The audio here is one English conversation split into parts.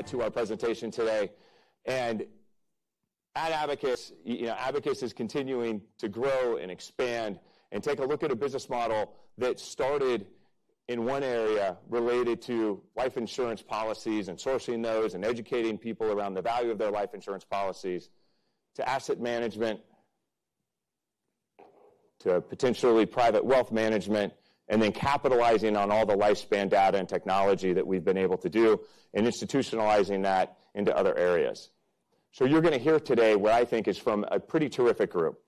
To our presentation today. At Abacus, Abacus is continuing to grow and expand and take a look at a business model that started in one area related to life insurance policies and sourcing those and educating people around the value of their life insurance policies to asset management, to potentially private wealth management, and then capitalizing on all the lifespan data and technology that we have been able to do and institutionalizing that into other areas. You are going to hear today what I think is from a pretty terrific group.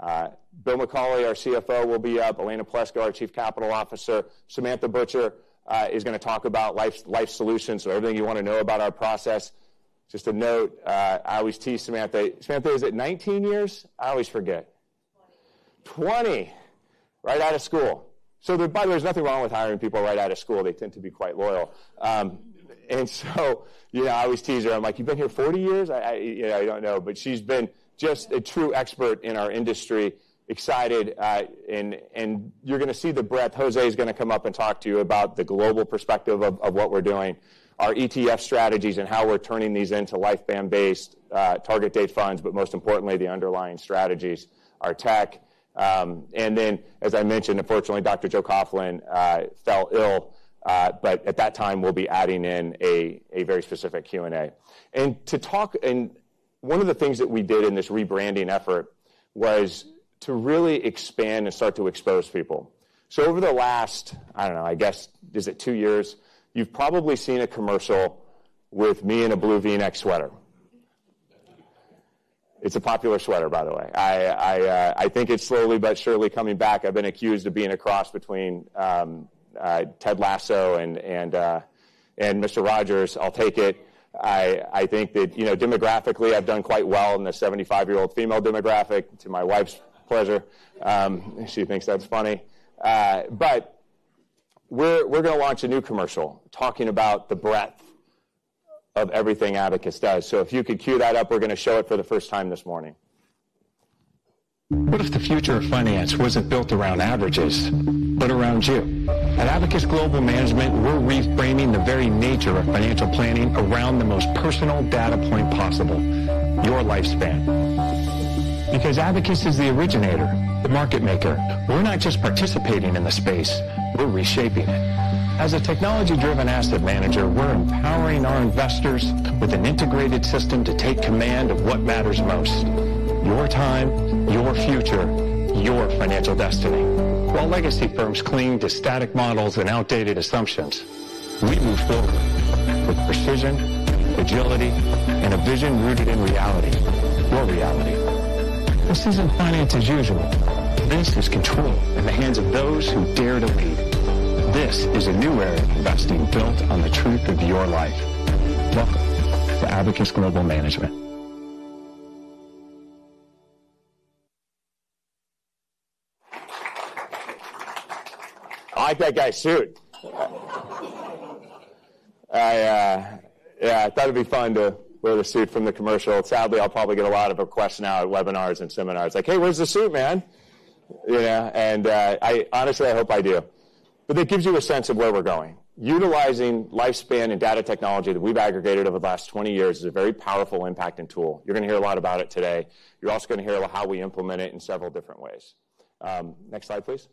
Bill McCauley, our CFO, will be up. Elena Plesco, our Chief Capital Officer. Samantha Butcher is going to talk about Life Solutions, so everything you want to know about our process. Just a note, I always tease Samantha. Samantha, is it 19 years? I always forget. 20. 20. Right out of school. By the way, there's nothing wrong with hiring people right out of school. They tend to be quite loyal. I always tease her. I'm like, you've been here 40 years? I don't know. She's been just a true expert in our industry, excited. You're going to see the breadth. Jose is going to come up and talk to you about the global perspective of what we're doing, our ETF strategies, and how we're turning these into lifespan-based target date funds, most importantly, the underlying strategies, our tech. As I mentioned, unfortunately, Dr. Joe Coughlin fell ill. At that time, we'll be adding in a very specific Q&A. One of the things that we did in this rebranding effort was to really expand and start to expose people. Over the last, I don't know, I guess, is it two years? You've probably seen a commercial with me in a blue V-neck sweater. It's a popular sweater, by the way. I think it's slowly but surely coming back. I've been accused of being a cross between Ted Lasso and Mr. Rogers. I'll take it. I think that demographically, I've done quite well in the 75-year-old female demographic to my wife's pleasure. She thinks that's funny. We're going to launch a new commercial talking about the breadth of everything Abacus does. If you could queue that up, we're going to show it for the first time this morning. What if the future of finance was not built around averages, but around you? At Abacus Global Management, we are reframing the very nature of financial planning around the most personal data point possible: your lifespan. Because Abacus is the originator, the market maker. We are not just participating in the space. We are reshaping it. As a technology-driven asset manager, we are empowering our investors with an integrated system to take command of what matters most: your time, your future, your financial destiny. While legacy firms cling to static models and outdated assumptions, we move forward with precision, agility, and a vision rooted in reality, your reality. This is not finance as usual. This is control in the hands of those who dare to lead. This is a new era of investing built on the truth of your life. Welcome to Abacus Global Management. I think I suit. Yeah, I thought it'd be fun to wear the suit from the commercial. Sadly, I'll probably get a lot of requests now at webinars and seminars. Like, "Hey, where's the suit, man?" Honestly, I hope I do. That gives you a sense of where we're going. Utilizing lifespan and data technology that we've aggregated over the last 20 years is a very powerful, impacting tool. You're going to hear a lot about it today. You're also going to hear how we implement it in several different ways. Next slide, please.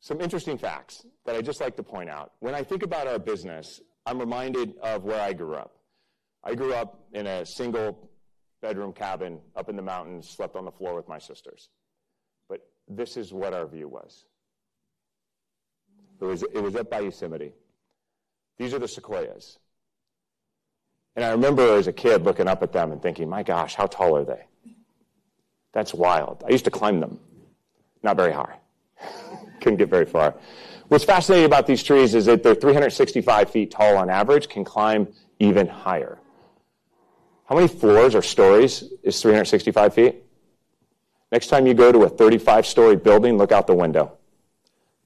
Some interesting facts that I'd just like to point out. When I think about our business, I'm reminded of where I grew up. I grew up in a single-bedroom cabin up in the mountains, slept on the floor with my sisters. This is what our view was. It was up by Yosemite. These are the sequoias. I remember as a kid looking up at them and thinking, "My gosh, how tall are they? That's wild." I used to climb them. Not very high. Could not get very far. What is fascinating about these trees is that they are 365 ft tall on average, can climb even higher. How many floors or stories is 365 ft? Next time you go to a 35-story building, look out the window.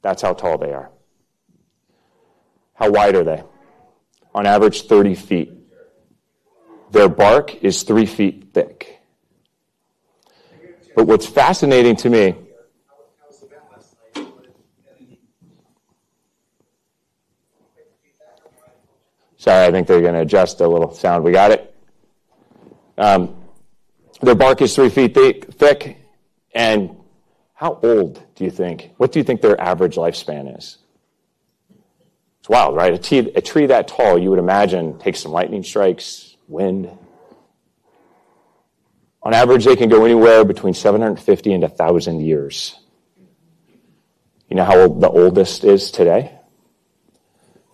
That is how tall they are. How wide are they? On average, 30 ft. Their bark is 3 ft thick. What is fascinating to me—sorry, I think they are going to adjust the little sound. We got it. Their bark is 3 ft thick. How old do you think? What do you think their average lifespan is? It is wild, right? A tree that tall, you would imagine, takes some lightning strikes, wind. On average, they can go anywhere between 750 and 1,000 years. You know how old the oldest is today?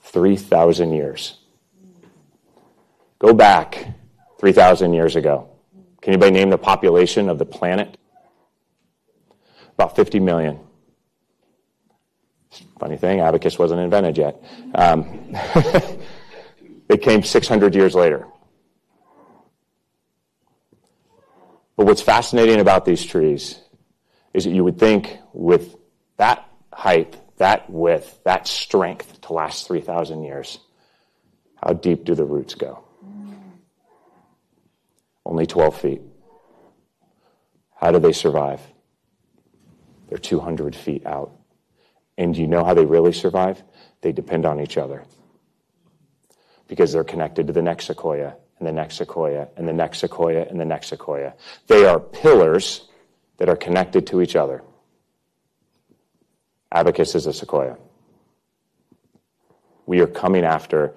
3,000 years. Go back 3,000 years ago. Can anybody name the population of the planet? About 50 million. Funny thing, Abacus wasn't invented yet. They came 600 years later. What's fascinating about these trees is that you would think with that height, that width, that strength to last 3,000 years, how deep do the roots go? Only 12 ft. How do they survive? They're 200 ft out. Do you know how they really survive? They depend on each other because they're connected to the next sequoia and the next sequoia and the next sequoia and the next sequoia. They are pillars that are connected to each other. Abacus is a sequoia. We are coming after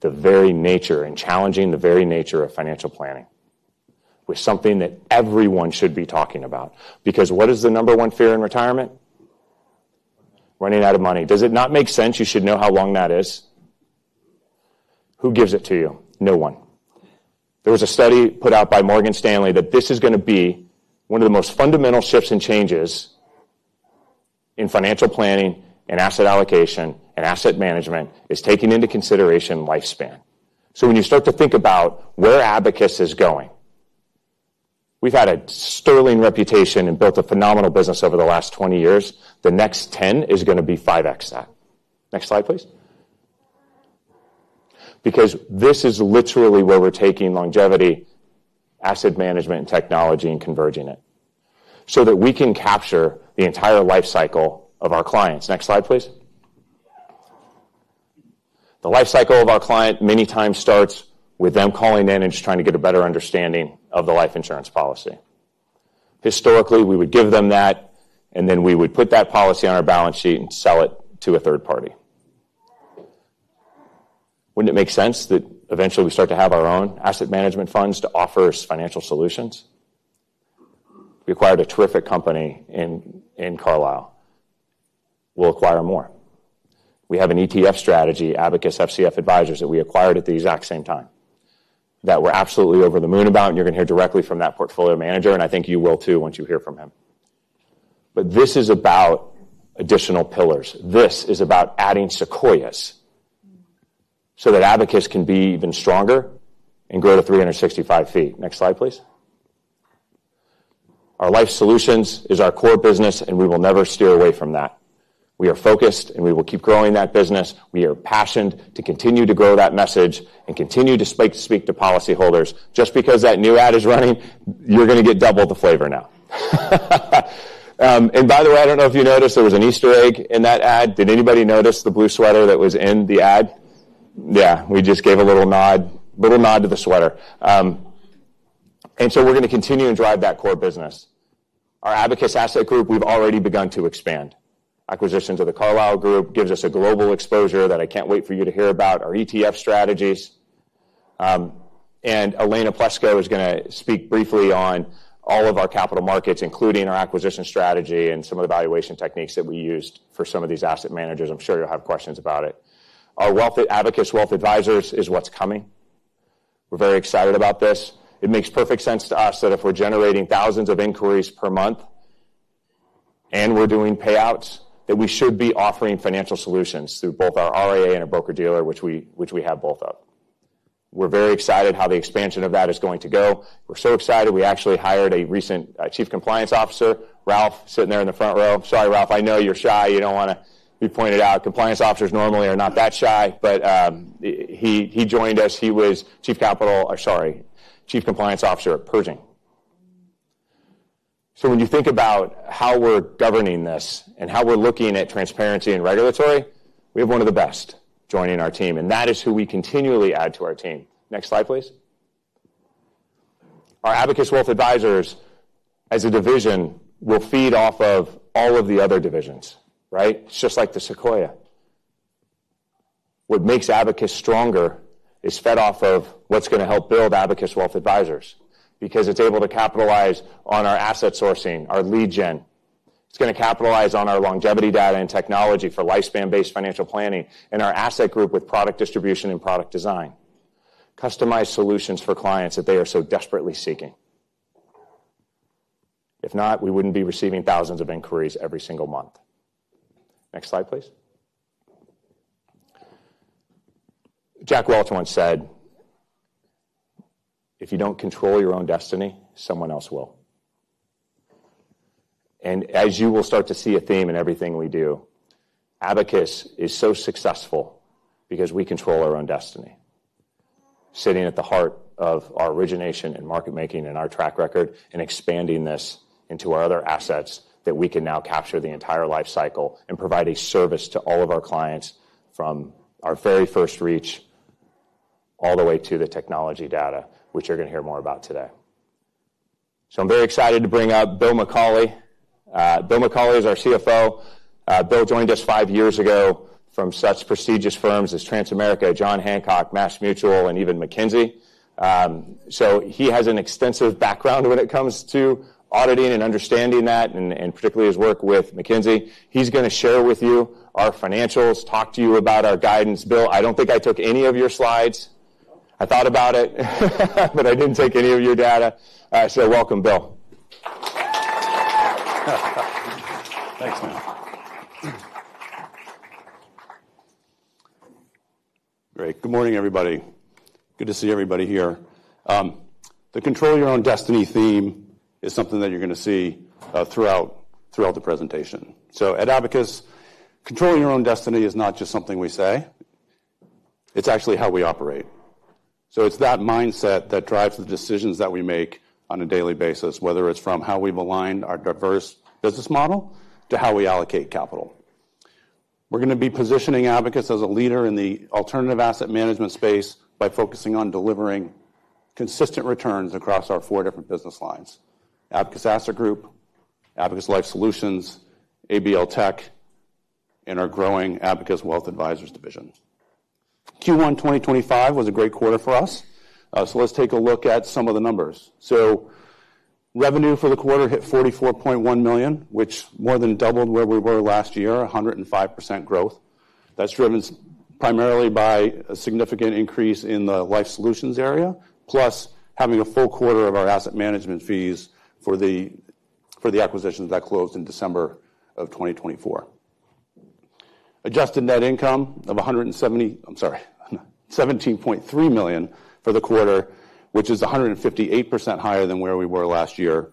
the very nature and challenging the very nature of financial planning with something that everyone should be talking about. Because what is the number one fear in retirement? Running out of money. Does it not make sense? You should know how long that is. Who gives it to you? No one. There was a study put out by Morgan Stanley that this is going to be one of the most fundamental shifts and changes in financial planning and asset allocation and asset management is taking into consideration lifespan. When you start to think about where Abacus is going, we've had a sterling reputation and built a phenomenal business over the last 20 years. The next 10 is going to be 5X that. Next slide, please. Because this is literally where we're taking longevity, asset management, and technology and converging it so that we can capture the entire life cycle of our clients. Next slide, please. The life cycle of our client many times starts with them calling in and just trying to get a better understanding of the life insurance policy. Historically, we would give them that, and then we would put that policy on our balance sheet and sell it to a third party. Wouldn't it make sense that eventually we start to have our own asset management funds to offer us financial solutions? We acquired a terrific company in Carlisle. We'll acquire more. We have an ETF strategy, Abacus FCF Advisors, that we acquired at the exact same time that we're absolutely over the moon about, and you're going to hear directly from that portfolio manager, and I think you will too once you hear from him. This is about additional pillars. This is about adding sequoias so that Abacus can be even stronger and grow to 365 ft. Next slide, please. Our Life Solutions is our core business, and we will never steer away from that. We are focused, and we will keep growing that business. We are passionate to continue to grow that message and continue to speak to policyholders. Just because that new ad is running, you're going to get double the flavor now. By the way, I do not know if you noticed, there was an Easter egg in that ad. Did anybody notice the blue sweater that was in the ad? Yeah, we just gave a little nod to the sweater. We are going to continue and drive that core business. Our Abacus Asset Group, we have already begun to expand. Acquisitions of the Carlisle Group give us a global exposure that I cannot wait for you to hear about, our ETF strategies. Elena Plesco is going to speak briefly on all of our capital markets, including our acquisition strategy and some of the valuation techniques that we used for some of these asset managers. I am sure you will have questions about it. Our Abacus Wealth Advisors is what is coming. We are very excited about this. It makes perfect sense to us that if we're generating thousands of inquiries per month and we're doing payouts, that we should be offering financial solutions through both our RIA and a broker-dealer, which we have both of. We're very excited how the expansion of that is going to go. We're so excited. We actually hired a recent Chief Compliance Officer, Ralph, sitting there in the front row. Sorry, Ralph, I know you're shy. You don't want to be pointed out. Compliance Officers normally are not that shy. He joined us. He was Chief Compliance Officer at Pershing. When you think about how we're governing this and how we're looking at transparency and regulatory, we have one of the best joining our team. That is who we continually add to our team. Next slide, please. Our Abacus Wealth Advisors, as a division, will feed off of all of the other divisions, right? It's just like the sequoia. What makes Abacus stronger is fed off of what's going to help build Abacus Wealth Advisors because it's able to capitalize on our asset sourcing, our lead gen. It's going to capitalize on our longevity data and technology for lifespan-based financial planning and our Asset Group with product distribution and product design. Customized solutions for clients that they are so desperately seeking. If not, we wouldn't be receiving thousands of inquiries every single month. Next slide, please. Jack Welch once said, "If you don't control your own destiny, someone else will." As you will start to see a theme in everything we do, Abacus is so successful because we control our own destiny. Sitting at the heart of our origination and market making and our track record and expanding this into our other assets that we can now capture the entire life cycle and provide a service to all of our clients from our very first reach all the way to the technology data, which you're going to hear more about today. I am very excited to bring up Bill McCauley. Bill McCauley is our CFO. Bill joined us five years ago from such prestigious firms as Transamerica, John Hancock, MassMutual, and even McKinsey. He has an extensive background when it comes to auditing and understanding that, and particularly his work with McKinsey. He is going to share with you our financials, talk to you about our guidance. Bill, I do not think I took any of your slides. I thought about it, but I did not take any of your data. Welcome, Bill. Thanks, man. Great. Good morning, everybody. Good to see everybody here. The control your own destiny theme is something that you're going to see throughout the presentation. At Abacus, controlling your own destiny is not just something we say. It's actually how we operate. It's that mindset that drives the decisions that we make on a daily basis, whether it's from how we've aligned our diverse business model to how we allocate capital. We're going to be positioning Abacus as a leader in the alternative asset management space by focusing on delivering consistent returns across our four different business lines: Abacus Asset Group, Abacus Life Solutions, ABL Tech, and our growing Abacus Wealth Advisors division. Q1 2025 was a great quarter for us. Let's take a look at some of the numbers. Revenue for the quarter hit $44.1 million, which more than doubled where we were last year, 105% growth. That is driven primarily by a significant increase in the Life Solutions area, plus having a full quarter of our asset management fees for the acquisitions that closed in December of 2024. Adjusted net income of $17.3 million for the quarter, which is 158% higher than where we were last year.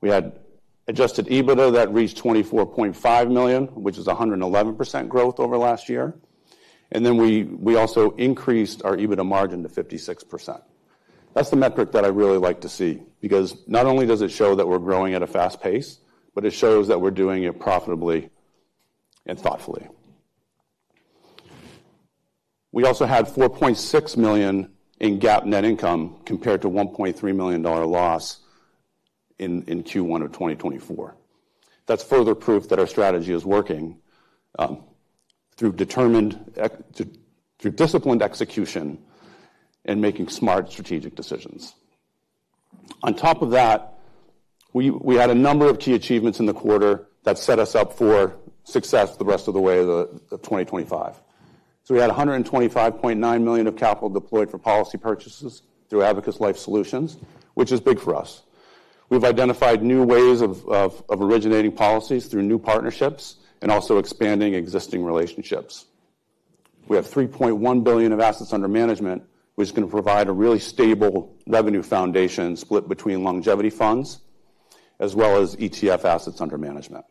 We had adjusted EBITDA that reached $24.5 million, which is 111% growth over last year. We also increased our EBITDA margin to 56%. That is the metric that I really like to see because not only does it show that we are growing at a fast pace, but it shows that we are doing it profitably and thoughtfully. We also had $4.6 million in GAAP net income compared to $1.3 million loss in Q1 of 2024. That's further proof that our strategy is working through disciplined execution and making smart strategic decisions. On top of that, we had a number of key achievements in the quarter that set us up for success the rest of the way of 2025. We had $125.9 million of capital deployed for policy purchases through Abacus Life Solutions, which is big for us. We've identified new ways of originating policies through new partnerships and also expanding existing relationships. We have $3.1 billion of assets under management, which is going to provide a really stable revenue foundation split between longevity funds as well as ETF assets under management.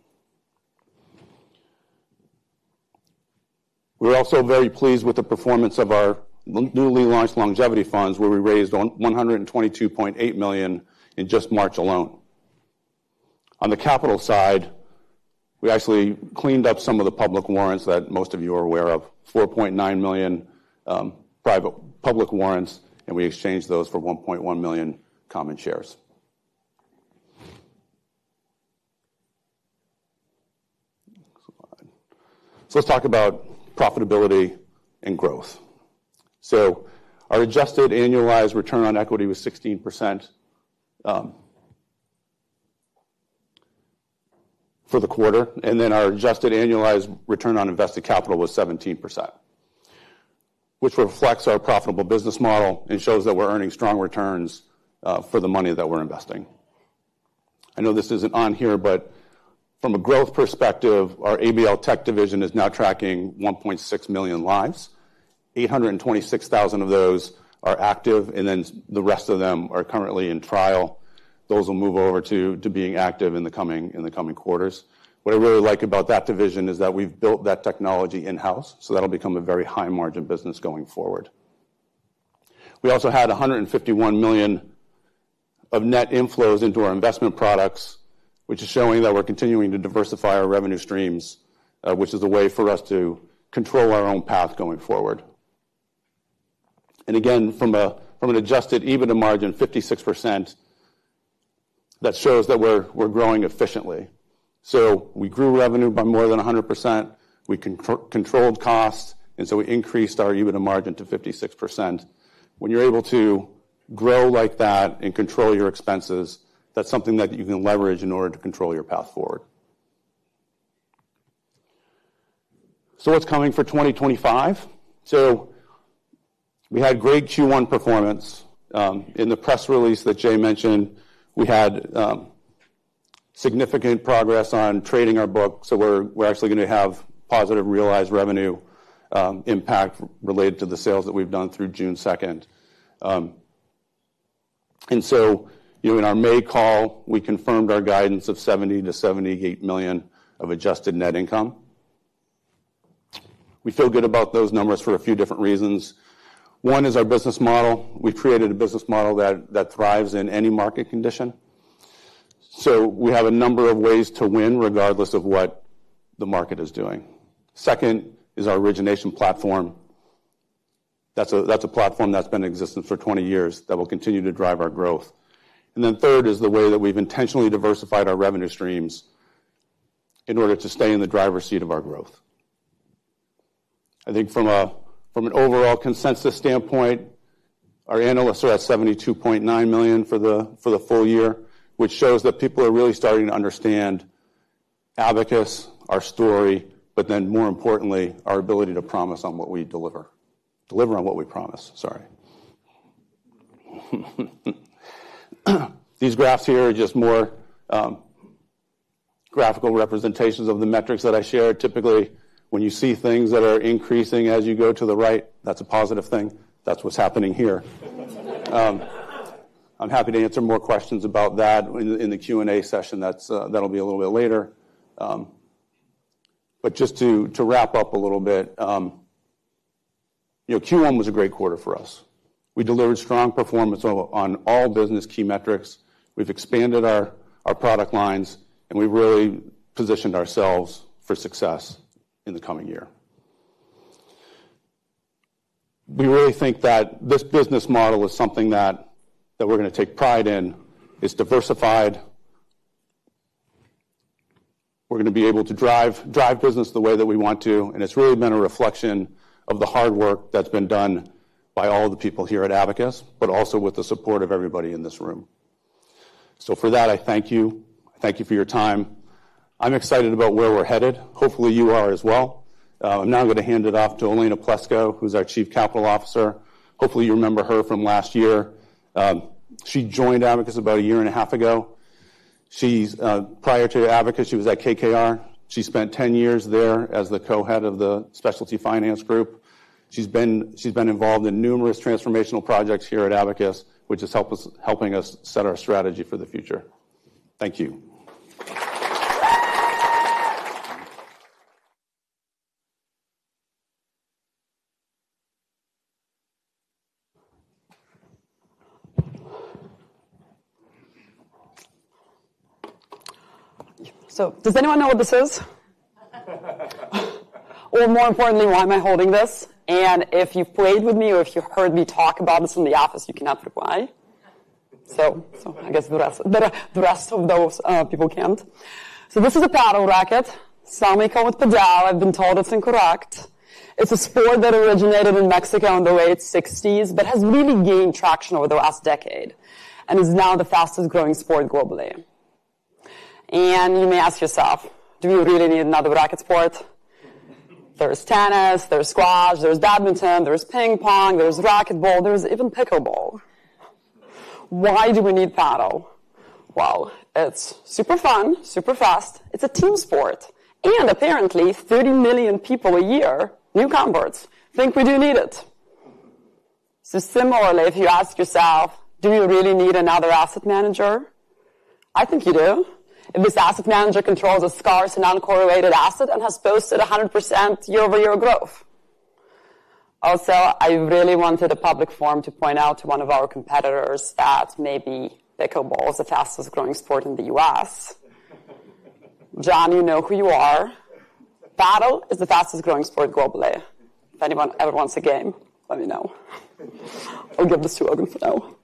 We're also very pleased with the performance of our newly launched longevity funds, where we raised $122.8 million in just March alone. On the capital side, we actually cleaned up some of the public warrants that most of you are aware of, 4.9 million public warrants, and we exchanged those for 1.1 million common shares. Let's talk about profitability and growth. Our adjusted annualized return on equity was 16% for the quarter, and our adjusted annualized return on invested capital was 17%, which reflects our profitable business model and shows that we're earning strong returns for the money that we're investing. I know this isn't on here, but from a growth perspective, our ABL Tech division is now tracking 1.6 million lives. 826,000 of those are active, and the rest of them are currently in trial. Those will move over to being active in the coming quarters. What I really like about that division is that we've built that technology in-house, so that'll become a very high-margin business going forward. We also had $151 million of net inflows into our investment products, which is showing that we're continuing to diversify our revenue streams, which is a way for us to control our own path going forward. Again, from an adjusted EBITDA margin of 56%, that shows that we're growing efficiently. We grew revenue by more than 100%. We controlled costs, and we increased our EBITDA margin to 56%. When you're able to grow like that and control your expenses, that's something that you can leverage in order to control your path forward. What's coming for 2025? We had great Q1 performance. In the press release that Jay mentioned, we had significant progress on trading our book. We're actually going to have positive realized revenue impact related to the sales that we've done through June 2nd. In our May call, we confirmed our guidance of $70 million-$78 million of adjusted net income. We feel good about those numbers for a few different reasons. One is our business model. We've created a business model that thrives in any market condition. We have a number of ways to win regardless of what the market is doing. Second is our origination platform. That's a platform that's been in existence for 20 years that will continue to drive our growth. Third is the way that we've intentionally diversified our revenue streams in order to stay in the driver's seat of our growth. I think from an overall consensus standpoint, our analysts are at $72.9 million for the full year, which shows that people are really starting to understand Abacus, our story, but then more importantly, our ability to promise on what we deliver. Deliver on what we promise, sorry. These graphs here are just more graphical representations of the metrics that I shared. Typically, when you see things that are increasing as you go to the right, that's a positive thing. That's what's happening here. I'm happy to answer more questions about that in the Q&A session. That'll be a little bit later. Just to wrap up a little bit, Q1 was a great quarter for us. We delivered strong performance on all business key metrics. We've expanded our product lines, and we've really positioned ourselves for success in the coming year. We really think that this business model is something that we're going to take pride in. It's diversified. We're going to be able to drive business the way that we want to. It's really been a reflection of the hard work that's been done by all the people here at Abacus, but also with the support of everybody in this room. For that, I thank you. I thank you for your time. I'm excited about where we're headed. Hopefully, you are as well. I'm now going to hand it off to Elena Plesco, who's our Chief Capital Officer. Hopefully, you remember her from last year. She joined Abacus about a year and a half ago. Prior to Abacus, she was at KKR. She spent 10 years there as the co-head of the Specialty Finance Group. She's been involved in numerous transformational projects here at Abacus, which is helping us set our strategy for the future. Thank you. Does anyone know what this is? Or more importantly, why am I holding this? If you've played with me or if you've heard me talk about this in the office, you cannot reply. I guess the rest of those people cannot. This is a paddle racket. Some may call it padel. I've been told it's incorrect. It's a sport that originated in Mexico in the late 1960s, but has really gained traction over the last decade and is now the fastest growing sport globally. You may ask yourself, do we really need another racket sport? There's tennis, there's squash, there's badminton, there's ping pong, there's racquetball, there's even pickleball. Why do we need paddle? It's super fun, super fast. It's a team sport. Apparently, 30 million people a year, newcomers, think we do need it. Similarly, if you ask yourself, do we really need another asset manager? I think you do. If this asset manager controls a scarce and uncorrelated asset and has posted 100% year-over-year growth. Also, I really wanted a public forum to point out to one of our competitors that maybe pickleball is the fastest growing sport in the U.S. John, you know who you are. Padel is the fastest growing sport globally. If anyone ever wants a game, let me know. I'll give this to Logan for now.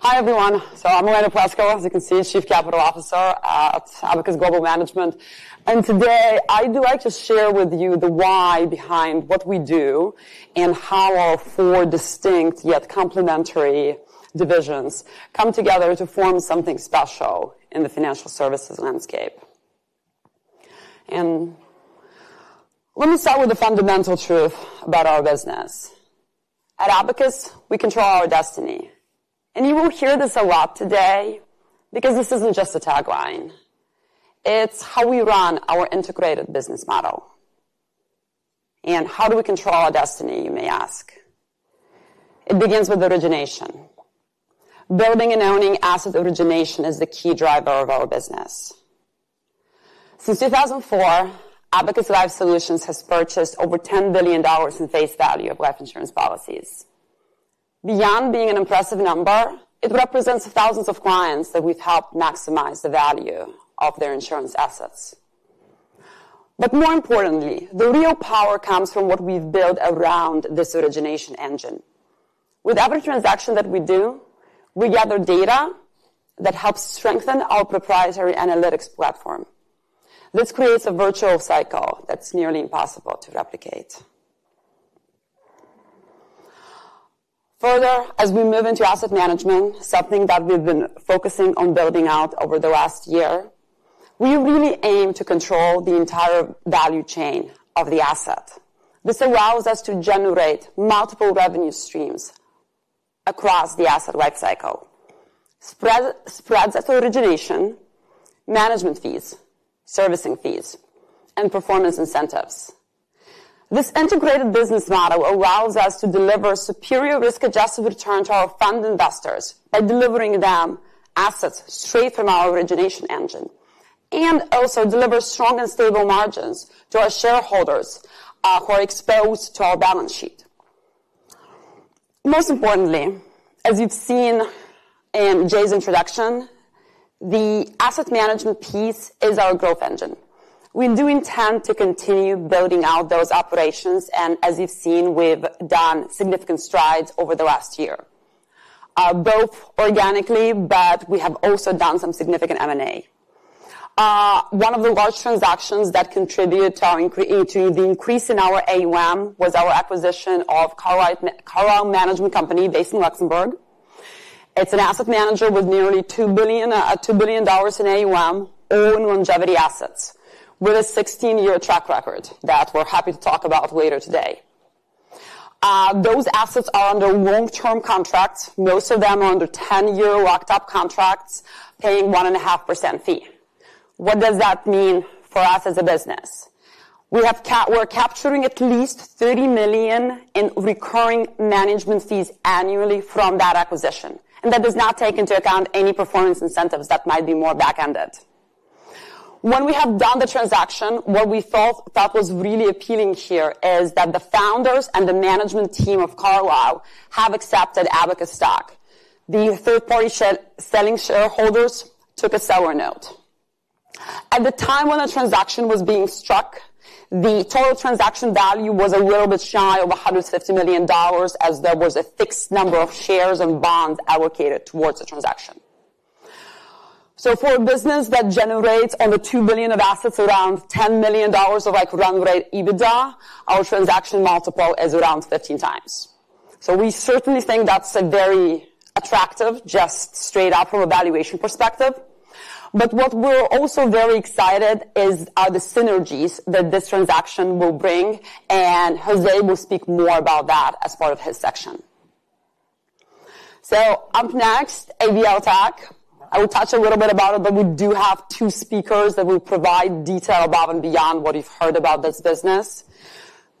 Thanks. Hi, everyone. I'm Elena Plesco. As you can see, Chief Capital Officer at Abacus Global Management. Today, I'd like to share with you the why behind what we do and how our four distinct yet complementary divisions come together to form something special in the financial services landscape. Let me start with the fundamental truth about our business. At Abacus, we control our destiny. You will hear this a lot today because this isn't just a tagline. It's how we run our integrated business model. How do we control our destiny, you may ask? It begins with origination. Building and owning asset origination is the key driver of our business. Since 2004, Abacus Life Solutions has purchased over $10 billion in face value of life insurance policies. Beyond being an impressive number, it represents thousands of clients that we've helped maximize the value of their insurance assets. More importantly, the real power comes from what we've built around this origination engine. With every transaction that we do, we gather data that helps strengthen our proprietary analytics platform. This creates a virtual cycle that's nearly impossible to replicate. Further, as we move into asset management, something that we've been focusing on building out over the last year, we really aim to control the entire value chain of the asset. This allows us to generate multiple revenue streams across the asset life cycle, spreads at origination, management fees, servicing fees, and performance incentives. This integrated business model allows us to deliver superior risk-adjusted returns to our fund investors by delivering them assets straight from our origination engine and also deliver strong and stable margins to our shareholders who are exposed to our balance sheet. Most importantly, as you've seen in Jay's introduction, the asset management piece is our growth engine. We do intend to continue building out those operations, and as you've seen, we've done significant strides over the last year, both organically, but we have also done some significant M&A. One of the large transactions that contributed to the increase in our AUM was our acquisition of Carlisle Management Company based in Luxembourg. It's an asset manager with nearly $2 billion in AUM, all in longevity assets, with a 16-year track record that we're happy to talk about later today. Those assets are under long-term contracts. Most of them are under 10-year locked-up contracts, paying 1.5% fee. What does that mean for us as a business? We are capturing at least $30 million in recurring management fees annually from that acquisition. That does not take into account any performance incentives that might be more back-ended. When we have done the transaction, what we thought was really appealing here is that the founders and the management team of Carlisle have accepted Abacus stock. The third-party selling shareholders took a seller note. At the time when the transaction was being struck, the total transaction value was a little bit shy of $150 million as there was a fixed number of shares and bonds allocated towards the transaction. For a business that generates over $2 billion of assets, around $10 million of run rate EBITDA, our transaction multiple is around 15 times. We certainly think that's very attractive just straight out from a valuation perspective. What we're also very excited about is the synergies that this transaction will bring. Jose will speak more about that as part of his section. Up next, ABL Tech. I will touch a little bit about it, but we do have two speakers that will provide detail above and beyond what you've heard about this business.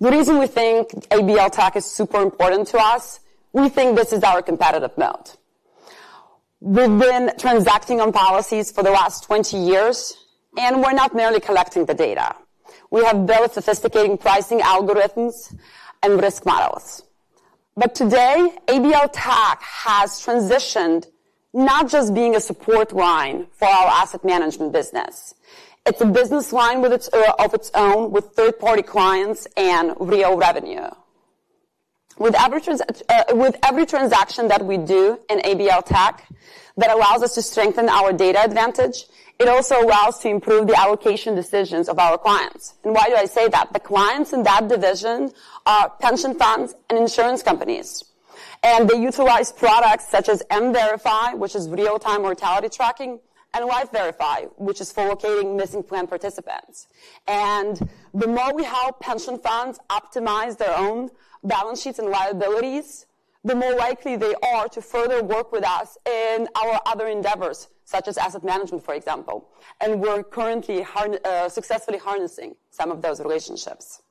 The reason we think ABL Tech is super important to us, we think this is our competitive moat. We've been transacting on policies for the last 20 years, and we're not merely collecting the data. We have built sophisticated pricing algorithms and risk models. Today, ABL Tech has transitioned not just being a support line for our asset management business. It's a business line of its own with third-party clients and real revenue. With every transaction that we do in ABL Tech, that allows us to strengthen our data advantage. It also allows us to improve the allocation decisions of our clients. Why do I say that? The clients in that division are pension funds and insurance companies. They utilize products such as MVerify, which is real-time mortality tracking, and LifeVerify, which is for locating missing plan participants. The more we help pension funds optimize their own balance sheets and liabilities, the more likely they are to further work with us in our other endeavors, such as asset management, for example. We are currently successfully harnessing some of those relationships.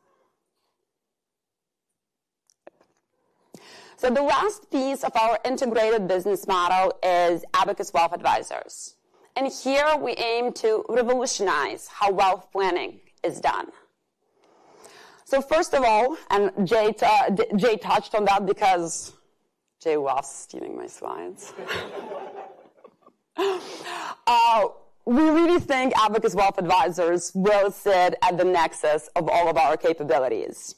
The last piece of our integrated business model is Abacus Wealth Advisors. Here we aim to revolutionize how wealth planning is done. First of all, and Jay touched on that because Jay was stealing my slides. We really think Abacus Wealth Advisors will sit at the nexus of all of our capabilities.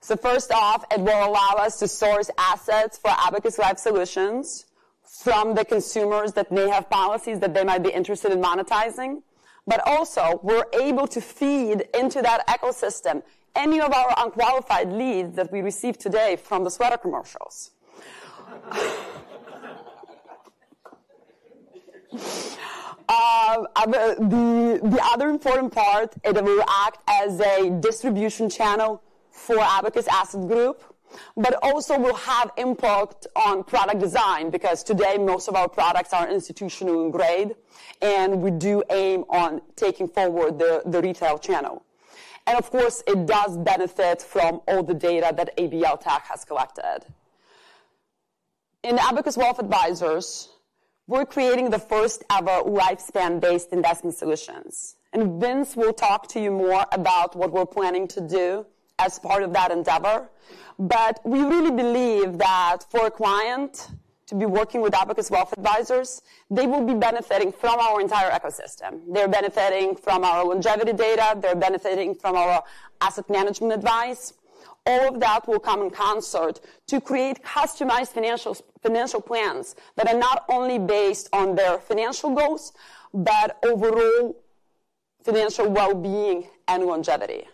First off, it will allow us to source assets for Abacus Life Solutions from the consumers that may have policies that they might be interested in monetizing. We are also able to feed into that ecosystem any of our unqualified leads that we receive today from the sweater commercials. The other important part, it will act as a distribution channel for Abacus Asset Group, but also will have impact on product design because today most of our products are institutional in grade, and we do aim on taking forward the retail channel. Of course, it does benefit from all the data that ABL Tech has collected. In Abacus Wealth Advisors, we're creating the first-ever lifespan-based investment solutions. Vince will talk to you more about what we're planning to do as part of that endeavor. We really believe that for a client to be working with Abacus Wealth Advisors, they will be benefiting from our entire ecosystem. They're benefiting from our longevity data. They're benefiting from our asset management advice. All of that will come in concert to create customized financial plans that are not only based on their financial goals, but overall financial well-being and longevity.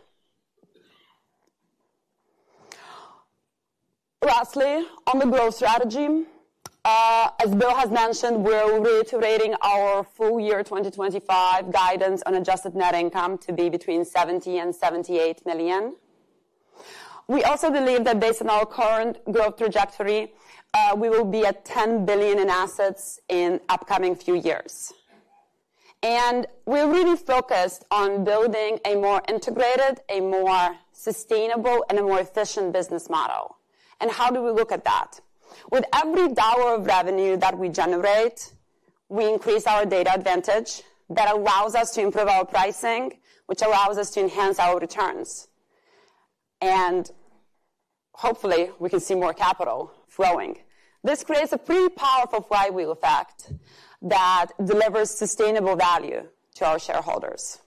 Lastly, on the growth strategy, as Bill has mentioned, we're reiterating our full year 2025 guidance on adjusted net income to be between $70 million and $78 million. We also believe that based on our current growth trajectory, we will be at $10 billion in assets in the upcoming few years. We are really focused on building a more integrated, a more sustainable, and a more efficient business model. How do we look at that? With every dollar of revenue that we generate, we increase our data advantage that allows us to improve our pricing, which allows us to enhance our returns. Hopefully, we can see more capital flowing. This creates a pretty powerful flywheel effect that delivers sustainable value to our shareholders.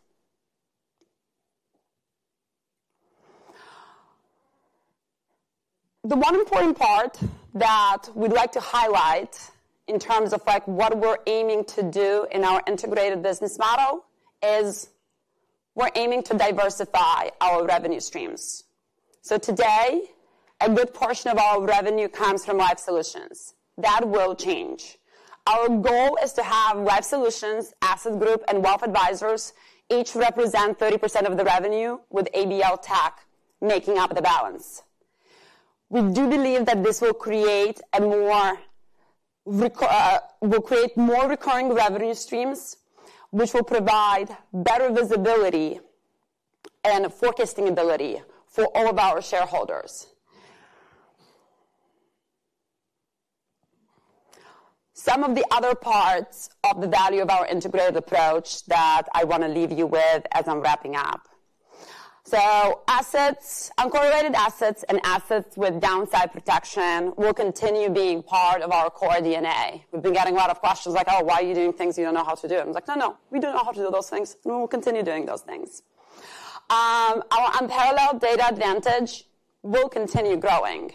The one important part that we'd like to highlight in terms of what we're aiming to do in our integrated business model is we're aiming to diversify our revenue streams. Today, a good portion of our revenue comes from Life Solutions. That will change. Our goal is to have Life Solutions, Asset Group, and Wealth Advisors each represent 30% of the revenue, with ABL Tech making up the balance. We do believe that this will create more recurring revenue streams, which will provide better visibility and forecasting ability for all of our shareholders. Some of the other parts of the value of our integrated approach that I want to leave you with as I'm wrapping up. Uncorrelated assets and assets with downside protection will continue being part of our core DNA. We've been getting a lot of questions like, "Oh, why are you doing things you don't know how to do?" And I'm like, "No, no, we don't know how to do those things." And we'll continue doing those things. Our unparalleled data advantage will continue growing.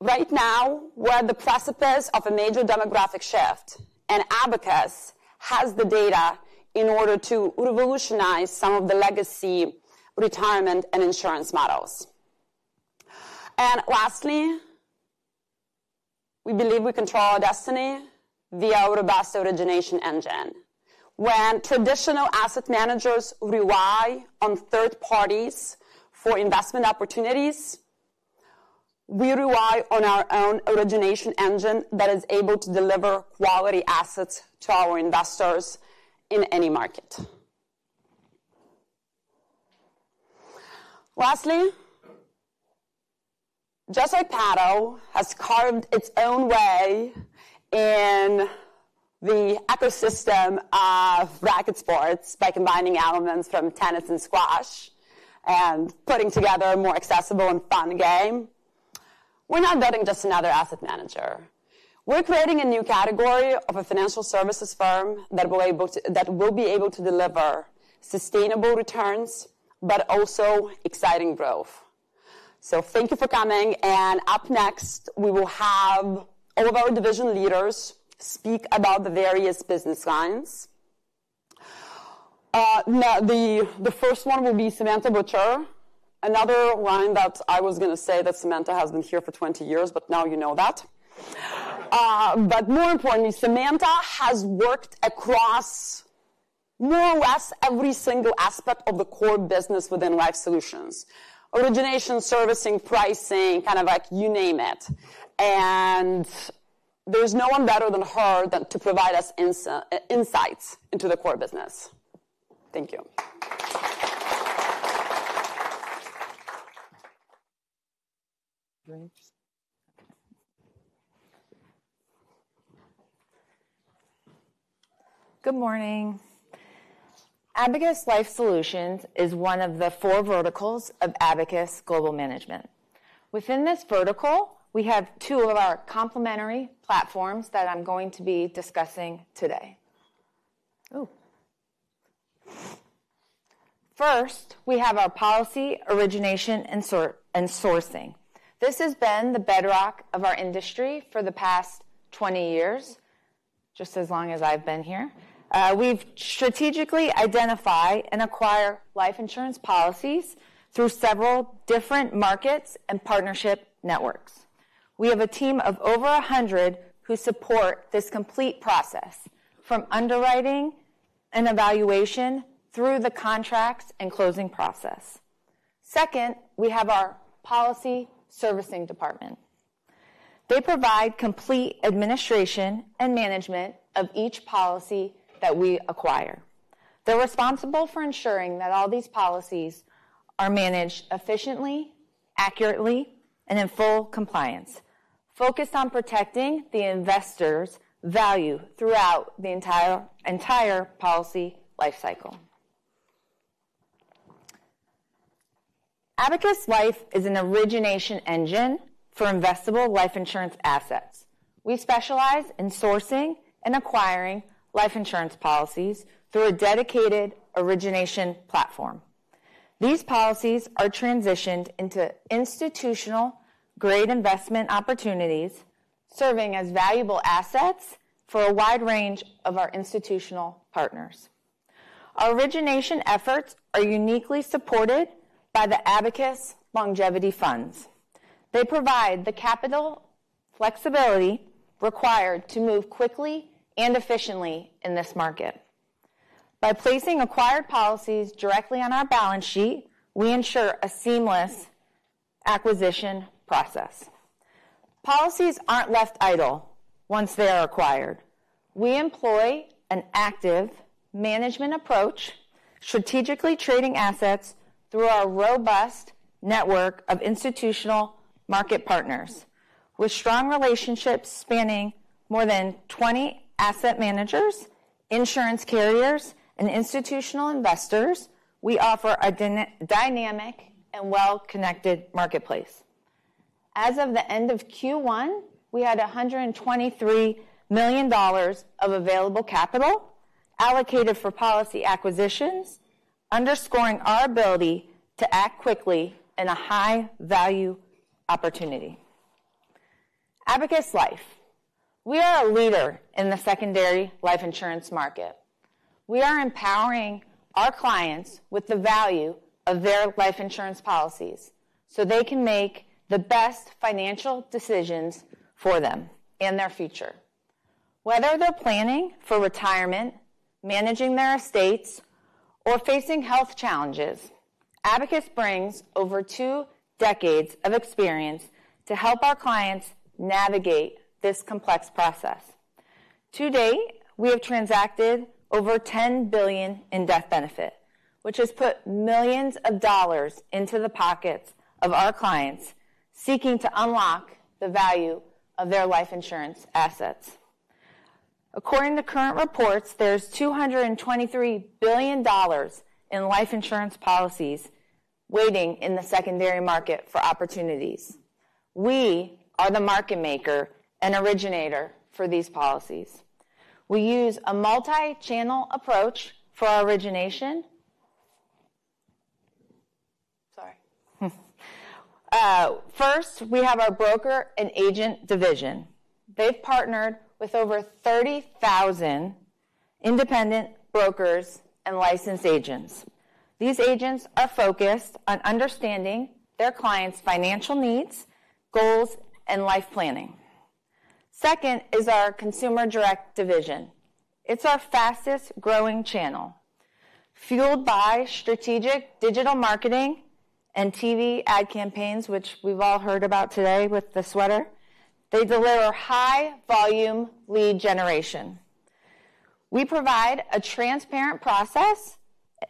Right now, we're at the precipice of a major demographic shift, and Abacus has the data in order to revolutionize some of the legacy retirement and insurance models. Lastly, we believe we control our destiny via our best origination engine. When traditional asset managers rely on third parties for investment opportunities, we rely on our own origination engine that is able to deliver quality assets to our investors in any market. Lastly, just like Padel has carved its own way in the ecosystem of racquet sports by combining elements from tennis and squash and putting together a more accessible and fun game, we're not building just another asset manager. We're creating a new category of a financial services firm that will be able to deliver sustainable returns, but also exciting growth. Thank you for coming. Up next, we will have all of our division leaders speak about the various business lines. The first one will be Samantha Butcher. Another line that I was going to say that Samantha has been here for 20 years, but now you know that. More importantly, Samantha has worked across more or less every single aspect of the core business within Life Solutions: origination, servicing, pricing, kind of like you name it. There is no one better than her to provide us insights into the core business. Thank you. Good morning. Abacus Life Solutions is one of the four verticals of Abacus Global Management. Within this vertical, we have two of our complementary platforms that I'm going to be discussing today. First, we have our policy origination and sourcing. This has been the bedrock of our industry for the past 20 years, just as long as I've been here. We've strategically identified and acquired life insurance policies through several different markets and partnership networks. We have a team of over 100 who support this complete process from underwriting and evaluation through the contracts and closing process. Second, we have our policy servicing department. They provide complete administration and management of each policy that we acquire. They're responsible for ensuring that all these policies are managed efficiently, accurately, and in full compliance, focused on protecting the investor's value throughout the entire policy lifecycle. Abacus Life is an origination engine for investable life insurance assets. We specialize in sourcing and acquiring life insurance policies through a dedicated origination platform. These policies are transitioned into institutional-grade investment opportunities, serving as valuable assets for a wide range of our institutional partners. Our origination efforts are uniquely supported by the Abacus Longevity Funds. They provide the capital flexibility required to move quickly and efficiently in this market. By placing acquired policies directly on our balance sheet, we ensure a seamless acquisition process. Policies aren't left idle once they are acquired. We employ an active management approach, strategically trading assets through our robust network of institutional market partners. With strong relationships spanning more than 20 asset managers, insurance carriers, and institutional investors, we offer a dynamic and well-connected marketplace. As of the end of Q1, we had $123 million of available capital allocated for policy acquisitions, underscoring our ability to act quickly in a high-value opportunity. Abacus Life. We are a leader in the secondary life insurance market. We are empowering our clients with the value of their life insurance policies so they can make the best financial decisions for them in their future. Whether they're planning for retirement, managing their estates, or facing health challenges, Abacus brings over two decades of experience to help our clients navigate this complex process. Today, we have transacted over $10 billion in death benefit, which has put millions of dollars into the pockets of our clients seeking to unlock the value of their life insurance assets. According to current reports, there's $223 billion in life insurance policies waiting in the secondary market for opportunities. We are the market maker and originator for these policies. We use a multi-channel approach for our origination. Sorry. First, we have our broker and agent division. They've partnered with over 30,000 independent brokers and licensed agents. These agents are focused on understanding their clients' financial needs, goals, and life planning. Second is our consumer direct division. It's our fastest-growing channel, fueled by strategic digital marketing and TV ad campaigns, which we've all heard about today with the sweater. They deliver high-volume lead generation. We provide a transparent process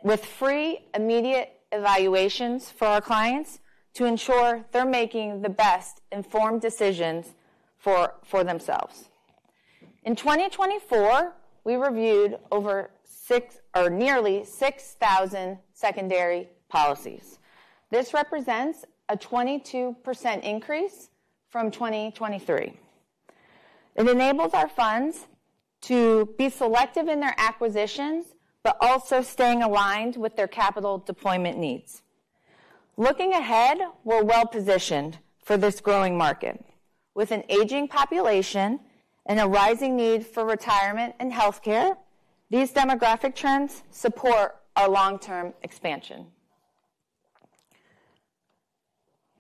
with free immediate evaluations for our clients to ensure they're making the best informed decisions for themselves. In 2024, we reviewed over nearly 6,000 secondary policies. This represents a 22% increase from 2023. It enables our funds to be selective in their acquisitions, but also staying aligned with their capital deployment needs. Looking ahead, we're well-positioned for this growing market. With an aging population and a rising need for retirement and healthcare, these demographic trends support our long-term expansion.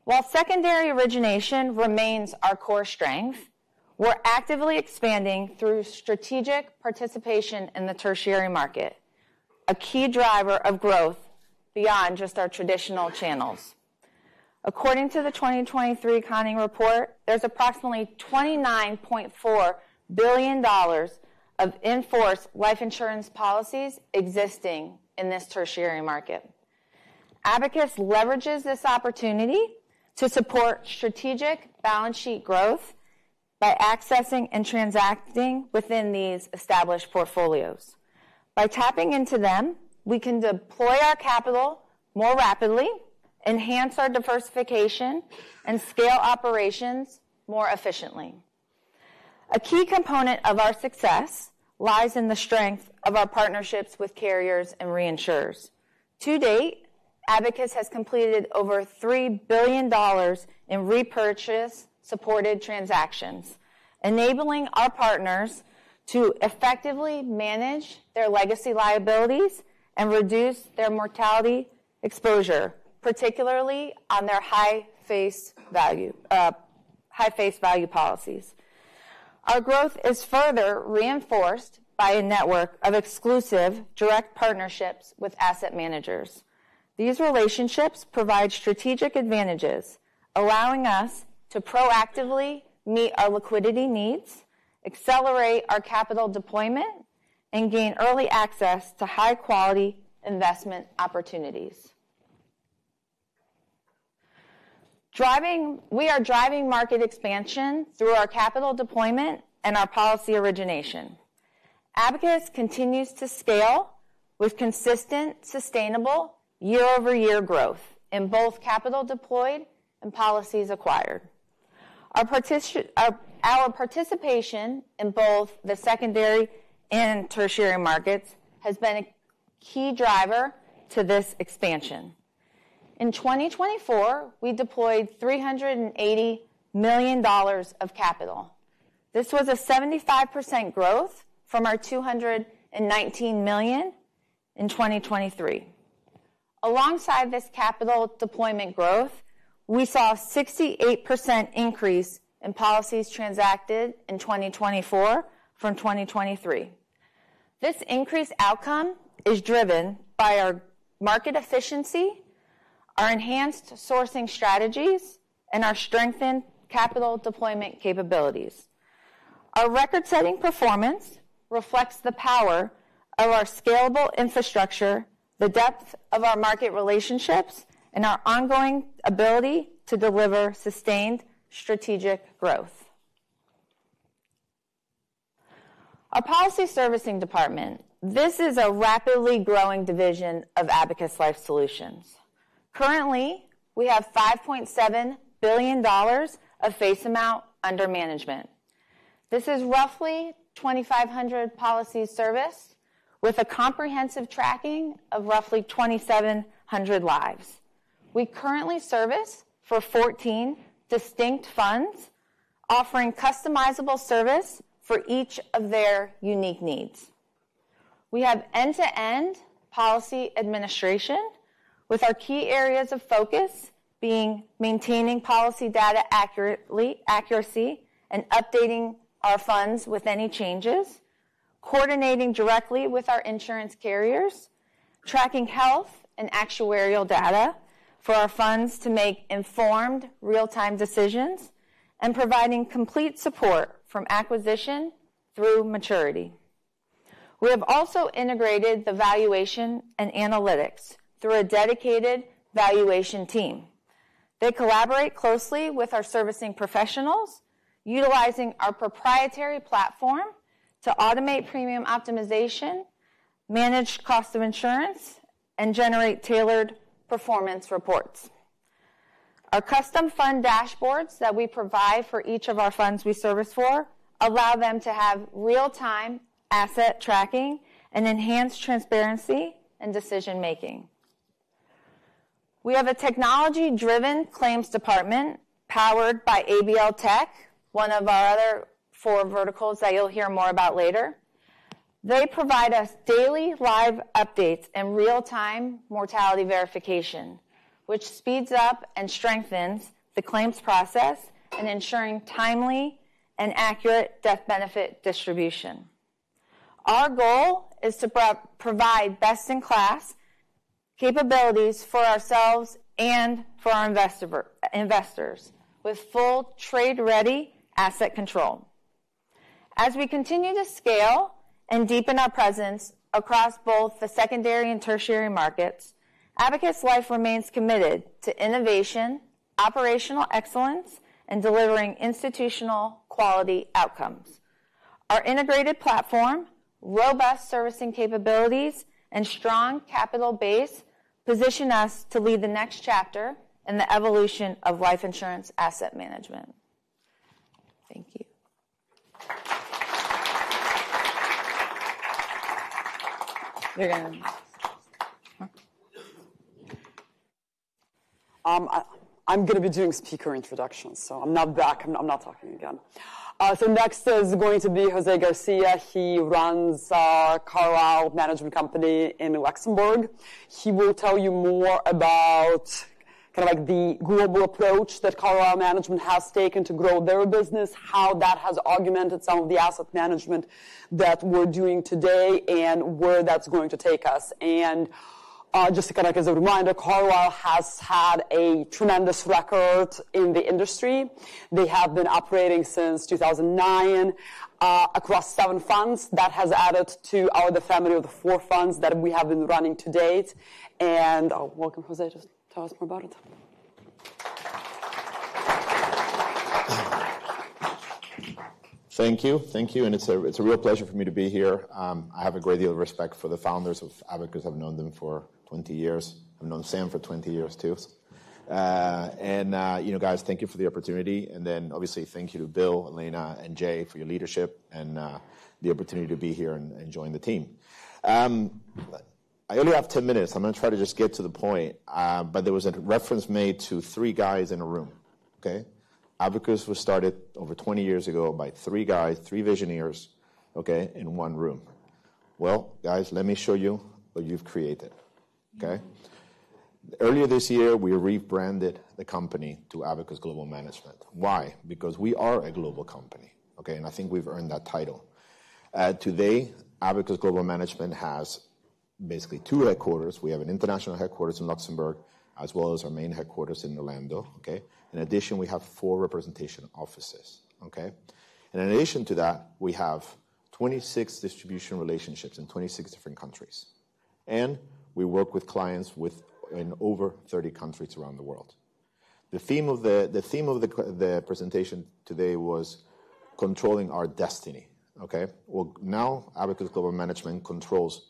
While secondary origination remains our core strength, we're actively expanding through strategic participation in the tertiary market, a key driver of growth beyond just our traditional channels. According to the 2023 Conning report, there's approximately $29.4 billion of enforced life insurance policies existing in this tertiary market. Abacus leverages this opportunity to support strategic balance sheet growth by accessing and transacting within these established portfolios. By tapping into them, we can deploy our capital more rapidly, enhance our diversification, and scale operations more efficiently. A key component of our success lies in the strength of our partnerships with carriers and reinsurers. To date, Abacus has completed over $3 billion in repurchase-supported transactions, enabling our partners to effectively manage their legacy liabilities and reduce their mortality exposure, particularly on their high face value policies. Our growth is further reinforced by a network of exclusive direct partnerships with asset managers. These relationships provide strategic advantages, allowing us to proactively meet our liquidity needs, accelerate our capital deployment, and gain early access to high-quality investment opportunities. We are driving market expansion through our capital deployment and our policy origination. Abacus continues to scale with consistent, sustainable year-over-year growth in both capital deployed and policies acquired. Our participation in both the secondary and tertiary markets has been a key driver to this expansion. In 2024, we deployed $380 million of capital. This was a 75% growth from our $219 million in 2023. Alongside this capital deployment growth, we saw a 68% increase in policies transacted in 2024 from 2023. This increased outcome is driven by our market efficiency, our enhanced sourcing strategies, and our strengthened capital deployment capabilities. Our record-setting performance reflects the power of our scalable infrastructure, the depth of our market relationships, and our ongoing ability to deliver sustained strategic growth. Our policy servicing department, this is a rapidly growing division of Abacus Life Solutions. Currently, we have $5.7 billion of face amount under management. This is roughly 2,500 policy services with a comprehensive tracking of roughly 2,700 lives. We currently service for 14 distinct funds, offering customizable service for each of their unique needs. We have end-to-end policy administration, with our key areas of focus being maintaining policy data accuracy and updating our funds with any changes, coordinating directly with our insurance carriers, tracking health and actuarial data for our funds to make informed real-time decisions, and providing complete support from acquisition through maturity. We have also integrated the valuation and analytics through a dedicated valuation team. They collaborate closely with our servicing professionals, utilizing our proprietary platform to automate premium optimization, manage cost of insurance, and generate tailored performance reports. Our custom fund dashboards that we provide for each of our funds we service for allow them to have real-time asset tracking and enhanced transparency in decision-making. We have a technology-driven claims department powered by ABL Tech, one of our other four verticals that you'll hear more about later. They provide us daily live updates and real-time mortality verification, which speeds up and strengthens the claims process in ensuring timely and accurate death benefit distribution. Our goal is to provide best-in-class capabilities for ourselves and for our investors with full trade-ready asset control. As we continue to scale and deepen our presence across both the secondary and tertiary markets, Abacus Life remains committed to innovation, operational excellence, and delivering institutional quality outcomes. Our integrated platform, robust servicing capabilities, and strong capital base position us to lead the next chapter in the evolution of life insurance asset management. Thank you. I'm going to be doing speaker introductions, so I'm not back. I'm not talking again. Next is going to be Jose Garcia. He runs Carlisle Management Company in Luxembourg. He will tell you more about kind of the global approach that Carlisle Management has taken to grow their business, how that has augmented some of the asset management that we're doing today, and where that's going to take us. Just to kind of as a reminder, Carlisle has had a tremendous record in the industry. They have been operating since 2009 across seven funds. That has added to the family of the four funds that we have been running to date. Welcome, Jose. Just tell us more about it. Thank you. Thank you. It's a real pleasure for me to be here. I have a great deal of respect for the founders of Abacus. I've known them for 20 years. I've known Sam for 20 years, too. Guys, thank you for the opportunity. Obviously, thank you to Bill, Elena, and Jay for your leadership and the opportunity to be here and join the team. I only have 10 minutes. I'm going to try to just get to the point. There was a reference made to three guys in a room. Abacus was started over 20 years ago by three guys, three visionaries in one room. Guys, let me show you what you've created. Earlier this year, we rebranded the company to Abacus Global Management. Why? Because we are a global company. I think we've earned that title. Today, Abacus Global Management has basically two headquarters. We have an international headquarters in Luxembourg, as well as our main headquarters in Orlando. In addition, we have four representation offices. In addition to that, we have 26 distribution relationships in 26 different countries. We work with clients in over 30 countries around the world. The theme of the presentation today was controlling our destiny. Abacus Global Management controls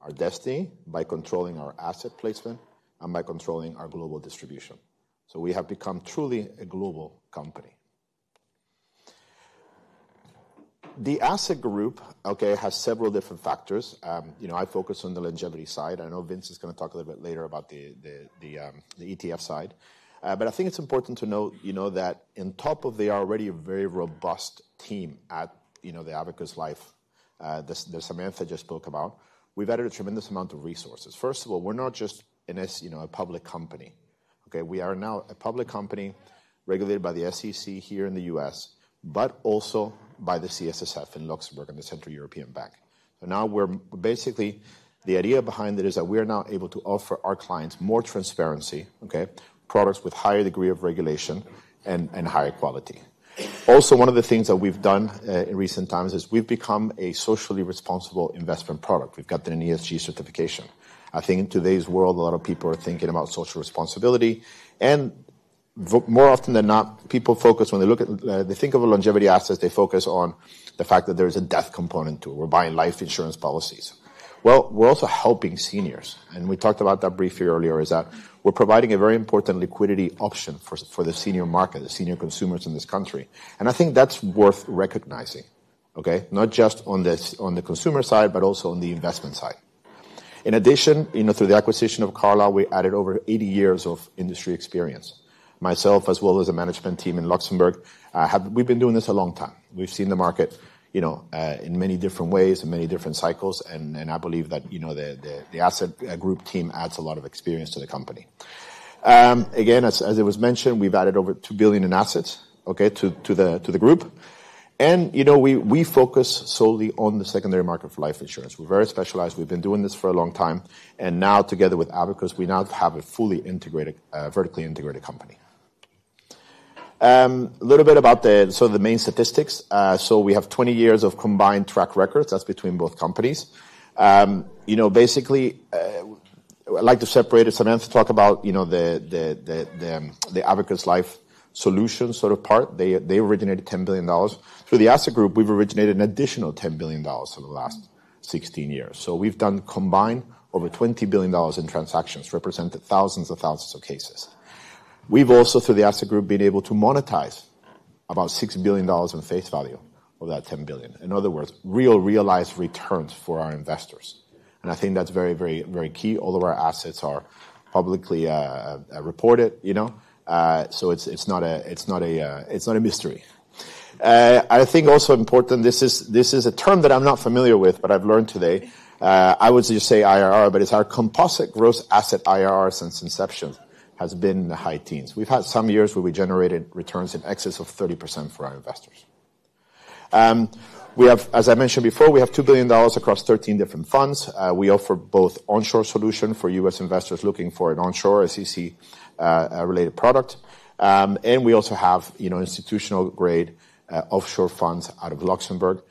our destiny by controlling our asset placement and by controlling our global distribution. We have become truly a global company. The Asset Group has several different factors. I focus on the longevity side. I know Vince is going to talk a little bit later about the ETF side. I think it's important to know that on top of the already very robust team at Abacus Life that Samantha just spoke about, we've added a tremendous amount of resources. First of all, we're not just a public company. We are now a public company regulated by the SEC here in the U.S., but also by the CSSF in Luxembourg and the Central European Bank. Now, basically, the idea behind it is that we are now able to offer our clients more transparency, products with a higher degree of regulation, and higher quality. Also, one of the things that we've done in recent times is we've become a socially responsible investment product. We've got an ESG certification. I think in today's world, a lot of people are thinking about social responsibility. More often than not, people focus when they think of a longevity asset, they focus on the fact that there is a death component to it. We're buying life insurance policies. We're also helping seniors. We talked about that briefly earlier, that we're providing a very important liquidity option for the senior market, the senior consumers in this country. I think that's worth recognizing, not just on the consumer side, but also on the investment side. In addition, through the acquisition of Carlisle, we added over 80 years of industry experience. Myself, as well as the management team in Luxembourg, we've been doing this a long time. We've seen the market in many different ways and many different cycles. I believe that the Asset Group team adds a lot of experience to the company. Again, as it was mentioned, we've added over $2 billion in assets to the group. We focus solely on the secondary market for life insurance. We're very specialized. We've been doing this for a long time. Now, together with Abacus, we now have a fully vertically integrated company. A little bit about the main statistics. We have 20 years of combined track records. That's between both companies. Basically, I'd like to separate it. Samantha talked about the Abacus Life Solutions sort of part. They originated $10 billion. Through the Asset G, we've originated an additional $10 billion over the last 16 years. We've done combined over $20 billion in transactions, representing thousands and thousands of cases. We've also, through the Asset Group, been able to monetize about $6 billion in face value of that $10 billion. In other words, real realized returns for our investors. I think that's very, very, very key. All of our assets are publicly reported. It's not a mystery. I think also important, this is a term that I'm not familiar with, but I've learned today. I would just say IRR, but it's our composite gross asset IRR since inception has been in the high teens. We've had some years where we generated returns in excess of 30% for our investors. As I mentioned before, we have $2 billion across 13 different funds. We offer both onshore solutions for U.S. investors looking for an onshore SEC-related product. We also have institutional-grade offshore funds out of Luxembourg,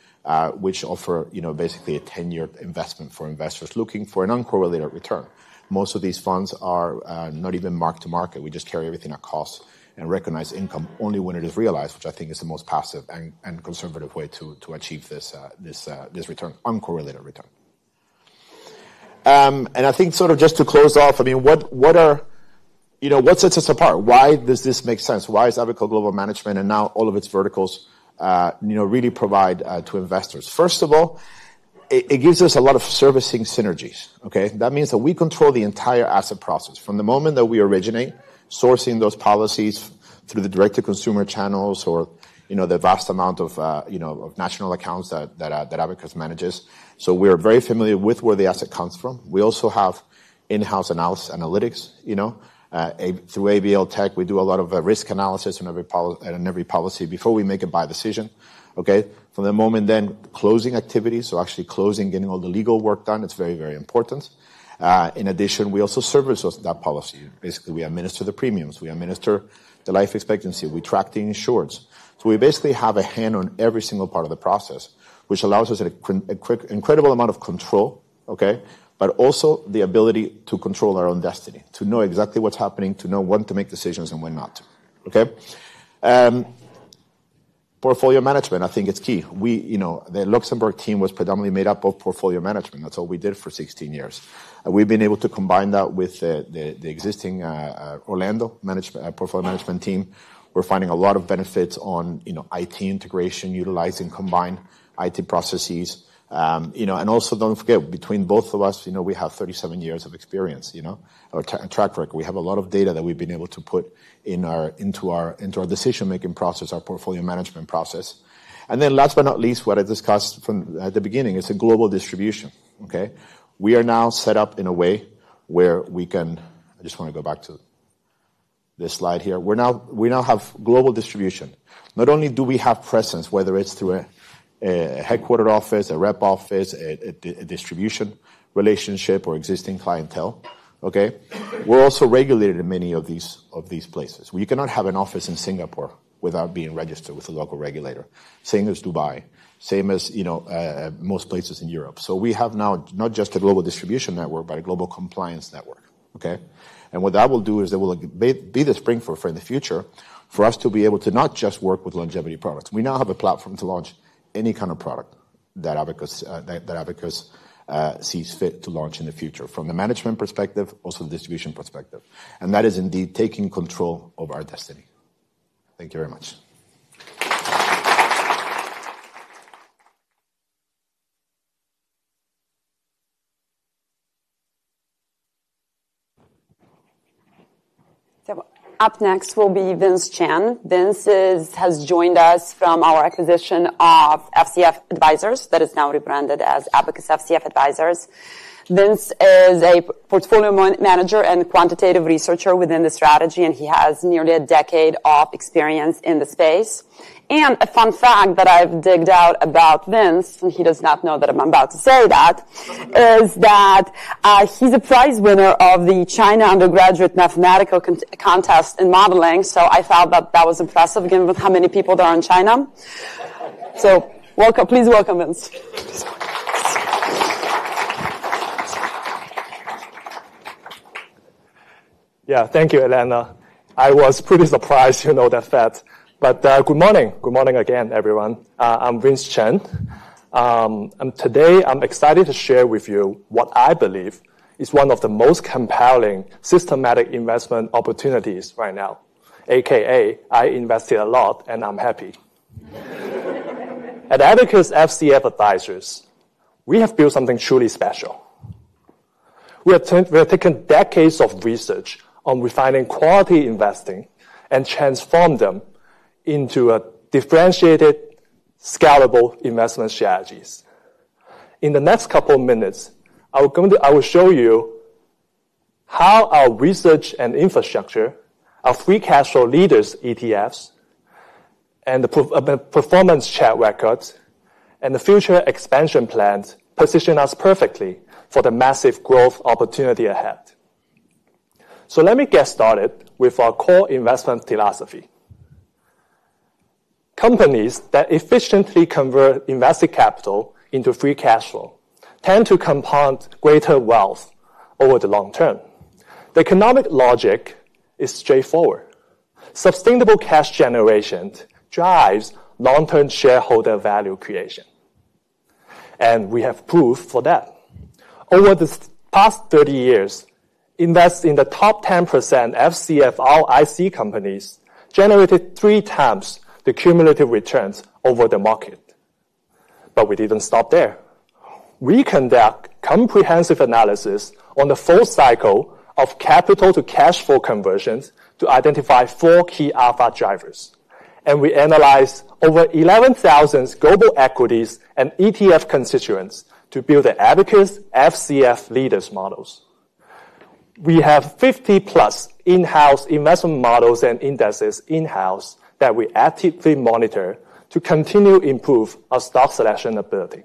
which offer basically a 10-year investment for investors looking for an uncorrelated return. Most of these funds are not even marked to market. We just carry everything at cost and recognize income only when it is realized, which I think is the most passive and conservative way to achieve this return, uncorrelated return. I think sort of just to close off, I mean, what sets us apart? Why does this make sense? Why is Abacus Global Management and now all of its verticals really provide to investors? First of all, it gives us a lot of servicing synergies. That means that we control the entire asset process from the moment that we originate, sourcing those policies through the direct-to-consumer channels or the vast amount of national accounts that Abacus manages. We are very familiar with where the asset comes from. We also have in-house analytics. Through ABL Tech, we do a lot of risk analysis on every policy before we make a buy decision. From the moment then, closing activities, actually closing, getting all the legal work done, it's very, very important. In addition, we also service that policy. Basically, we administer the premiums. We administer the life expectancy. We track the insureds. We basically have a hand on every single part of the process, which allows us an incredible amount of control, but also the ability to control our own destiny, to know exactly what's happening, to know when to make decisions and when not. Portfolio management, I think it's key. The Luxembourg team was predominantly made up of portfolio management. That's all we did for 16 years. We've been able to combine that with the existing Orlando portfolio management team. We're finding a lot of benefits on IT integration, utilizing combined IT processes. Also, don't forget, between both of us, we have 37 years of experience or track record. We have a lot of data that we've been able to put into our decision-making process, our portfolio management process. Last but not least, what I discussed at the beginning is a global distribution. We are now set up in a way where we can, I just want to go back to this slide here. We now have global distribution. Not only do we have presence, whether it's through a headquarter office, a rep office, a distribution relationship, or existing clientele, we're also regulated in many of these places. We cannot have an office in Singapore without being registered with a local regulator, same as Dubai, same as most places in Europe. We have now not just a global distribution network, but a global compliance network. What that will do is it will be the spring for in the future for us to be able to not just work with longevity products. We now have a platform to launch any kind of product that Abacus sees fit to launch in the future, from the management perspective, also the distribution perspective. That is indeed taking control of our destiny. Thank you very much. Up next will be Vince Chen. Vince has joined us from our acquisition of FCF Advisors that is now rebranded as Abacus FCF Advisors. Vince is a portfolio manager and quantitative researcher within the Strategy, and he has nearly a decade of experience in the space. A fun fact that I've digged out about Vince, and he does not know that I'm about to say that, is that he's a prize winner of the China Undergraduate Mathematical Contest in Modeling. I thought that that was impressive given with how many people there are in China. Please welcome Vince. Yeah, thank you, Elena. I was pretty surprised to know that fact. Good morning. Good morning again, everyone. I'm Vince Chen. Today, I'm excited to share with you what I believe is one of the most compelling systematic investment opportunities right now, a.k.a. I invested a lot, and I'm happy. At Abacus FCF Advisors, we have built something truly special. We have taken decades of research on refining quality investing and transformed them into differentiated, scalable investment strategies. In the next couple of minutes, I will show you how our research and infrastructure, our free cash flow leaders' ETFs, and the performance chart records and the future expansion plans position us perfectly for the massive growth opportunity ahead. Let me get started with our core investment philosophy. Companies that efficiently convert invested capital into free cash flow tend to compound greater wealth over the long term. The economic logic is straightforward. Sustainable cash generation drives long-term shareholder value creation. We have proof for that. Over the past 30 years, investing in the top 10% FCF IC companies generated three times the cumulative returns over the market. We did not stop there. We conduct comprehensive analysis on the full cycle of capital to cash flow conversions to identify four key alpha drivers. We analyze over 11,000 global equities and ETF constituents to build the Abacus FCF leaders' models. We have 50+ in-house investment models and indices in-house that we actively monitor to continue to improve our stock selection ability.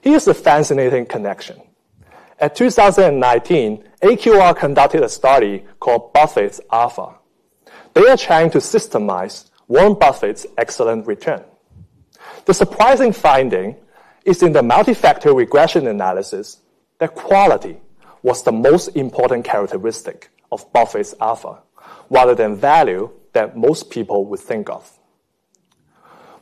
Here is a fascinating connection. In 2019, AQR conducted a study called Buffett's Alpha. They are trying to systemize Warren Buffett's excellent return. The surprising finding is in the multifactor regression analysis that quality was the most important characteristic of Buffett's Alpha rather than value that most people would think of.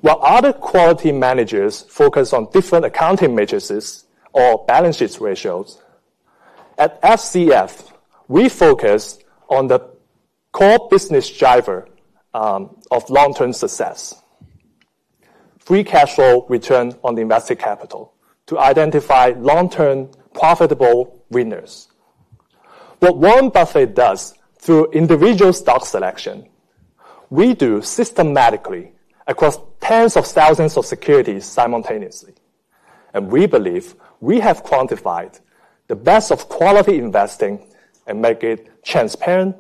While other quality managers focus on different accounting matrices or balance sheet ratios, at FCF, we focus on the core business driver of long-term success, free cash flow return on invested capital to identify long-term profitable winners. What Warren Buffett does through individual stock selection, we do systematically across tens of thousands of securities simultaneously. We believe we have quantified the best of quality investing and make it transparent,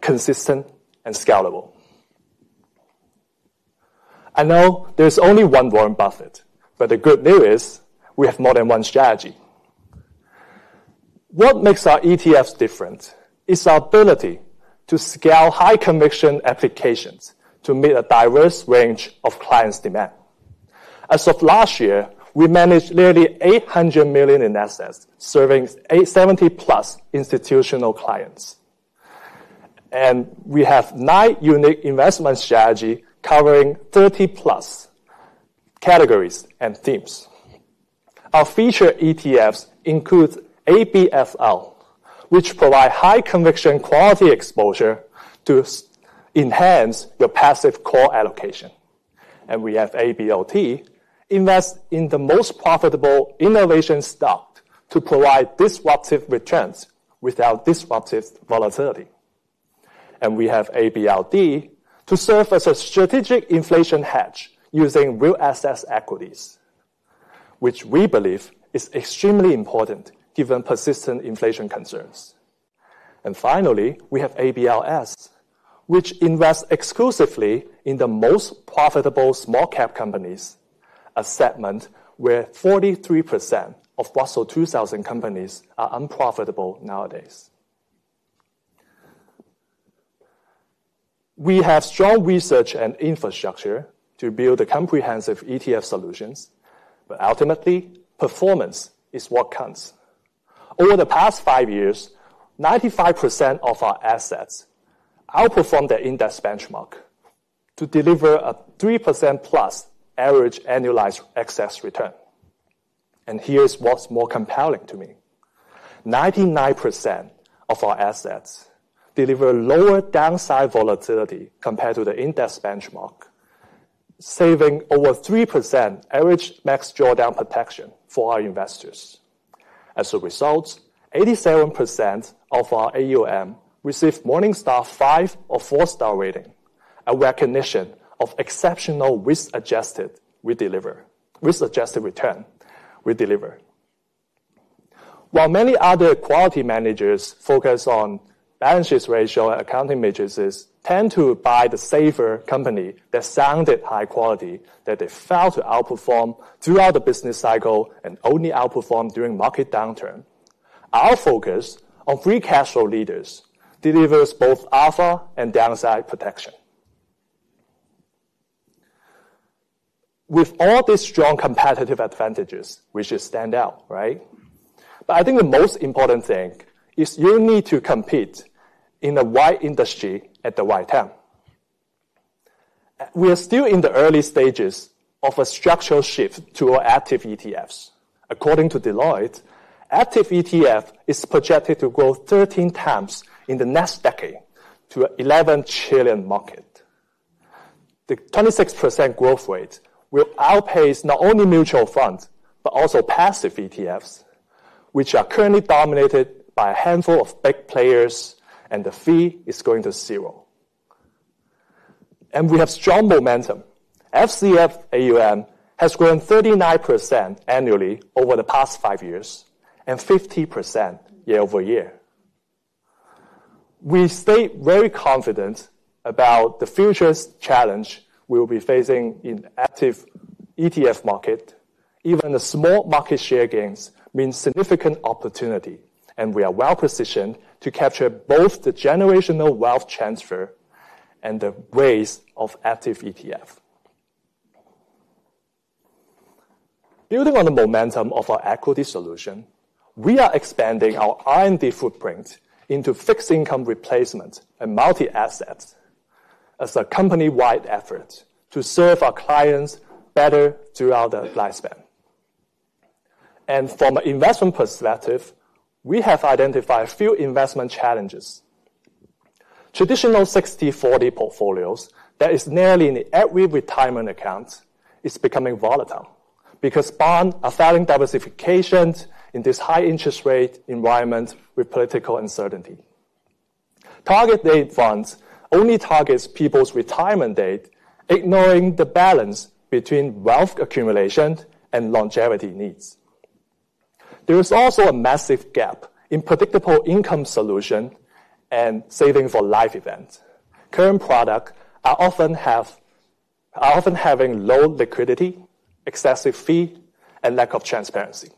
consistent, and scalable. I know there's only one Warren Buffett, but the good news is we have more than one strategy. What makes our ETFs different is our ability to scale high-conviction applications to meet a diverse range of clients' demand. As of last year, we managed nearly $800 million in assets serving 70+ institutional clients. We have nine unique investment strategies covering 30+ categories and themes. Our feature ETFs include ABFL, which provides high-conviction quality exposure to enhance your passive core allocation. We have ABLT, investing in the most profitable innovation stock to provide disruptive returns without disruptive volatility. We have ABLD to serve as a strategic inflation hedge using real asset equities, which we believe is extremely important given persistent inflation concerns. Finally, we have ABLS, which invests exclusively in the most profitable small-cap companies, a segment where 43% of Russell 2000 companies are unprofitable nowadays. We have strong research and infrastructure to build comprehensive ETF solutions, but ultimately, performance is what counts. Over the past five years, 95% of our assets outperformed their index benchmark to deliver a 3%+ average annualized excess return. Here is what is more compelling to me. 99% of our assets deliver lower downside volatility compared to the index benchmark, saving over 3% average max drawdown protection for our investors. As a result, 87% of our AUM receive Morningstar five or four-star rating and recognition of exceptional risk-adjusted return. While many other quality managers focus on balance sheet ratio and accounting matrices, tend to buy the safer company that sounded high quality, that they failed to outperform throughout the business cycle and only outperformed during market downturn, our focus on free cash flow leaders delivers both alpha and downside protection. With all these strong competitive advantages, we should stand out, right? I think the most important thing is you need to compete in the right industry at the right time. We are still in the early stages of a structural shift to our active ETFs. According to Deloitte, active ETF is projected to grow 13 times in the next decade to an $11 trillion market. The 26% growth rate will outpace not only mutual funds but also passive ETFs, which are currently dominated by a handful of big players, and the fee is going to zero. We have strong momentum. FCF AUM has grown 39% annually over the past five years and 50% year-over-year. We stay very confident about the future challenge we will be facing in the active ETF market. Even the small market share gains mean significant opportunity, and we are well-positioned to capture both the generational wealth transfer and the raise of active ETF. Building on the momentum of our equity solution, we are expanding our R&D footprint into fixed income replacement and multi-assets as a company-wide effort to serve our clients better throughout their lifespan. From an investment perspective, we have identified a few investment challenges. Traditional 60/40 portfolios that are nearly in every retirement account are becoming volatile because bonds are failing diversifications in this high-interest rate environment with political uncertainty. Target date funds only target people's retirement date, ignoring the balance between wealth accumulation and longevity needs. There is also a massive gap in predictable income solution and saving for life events. Current products are often having low liquidity, excessive fee, and lack of transparency.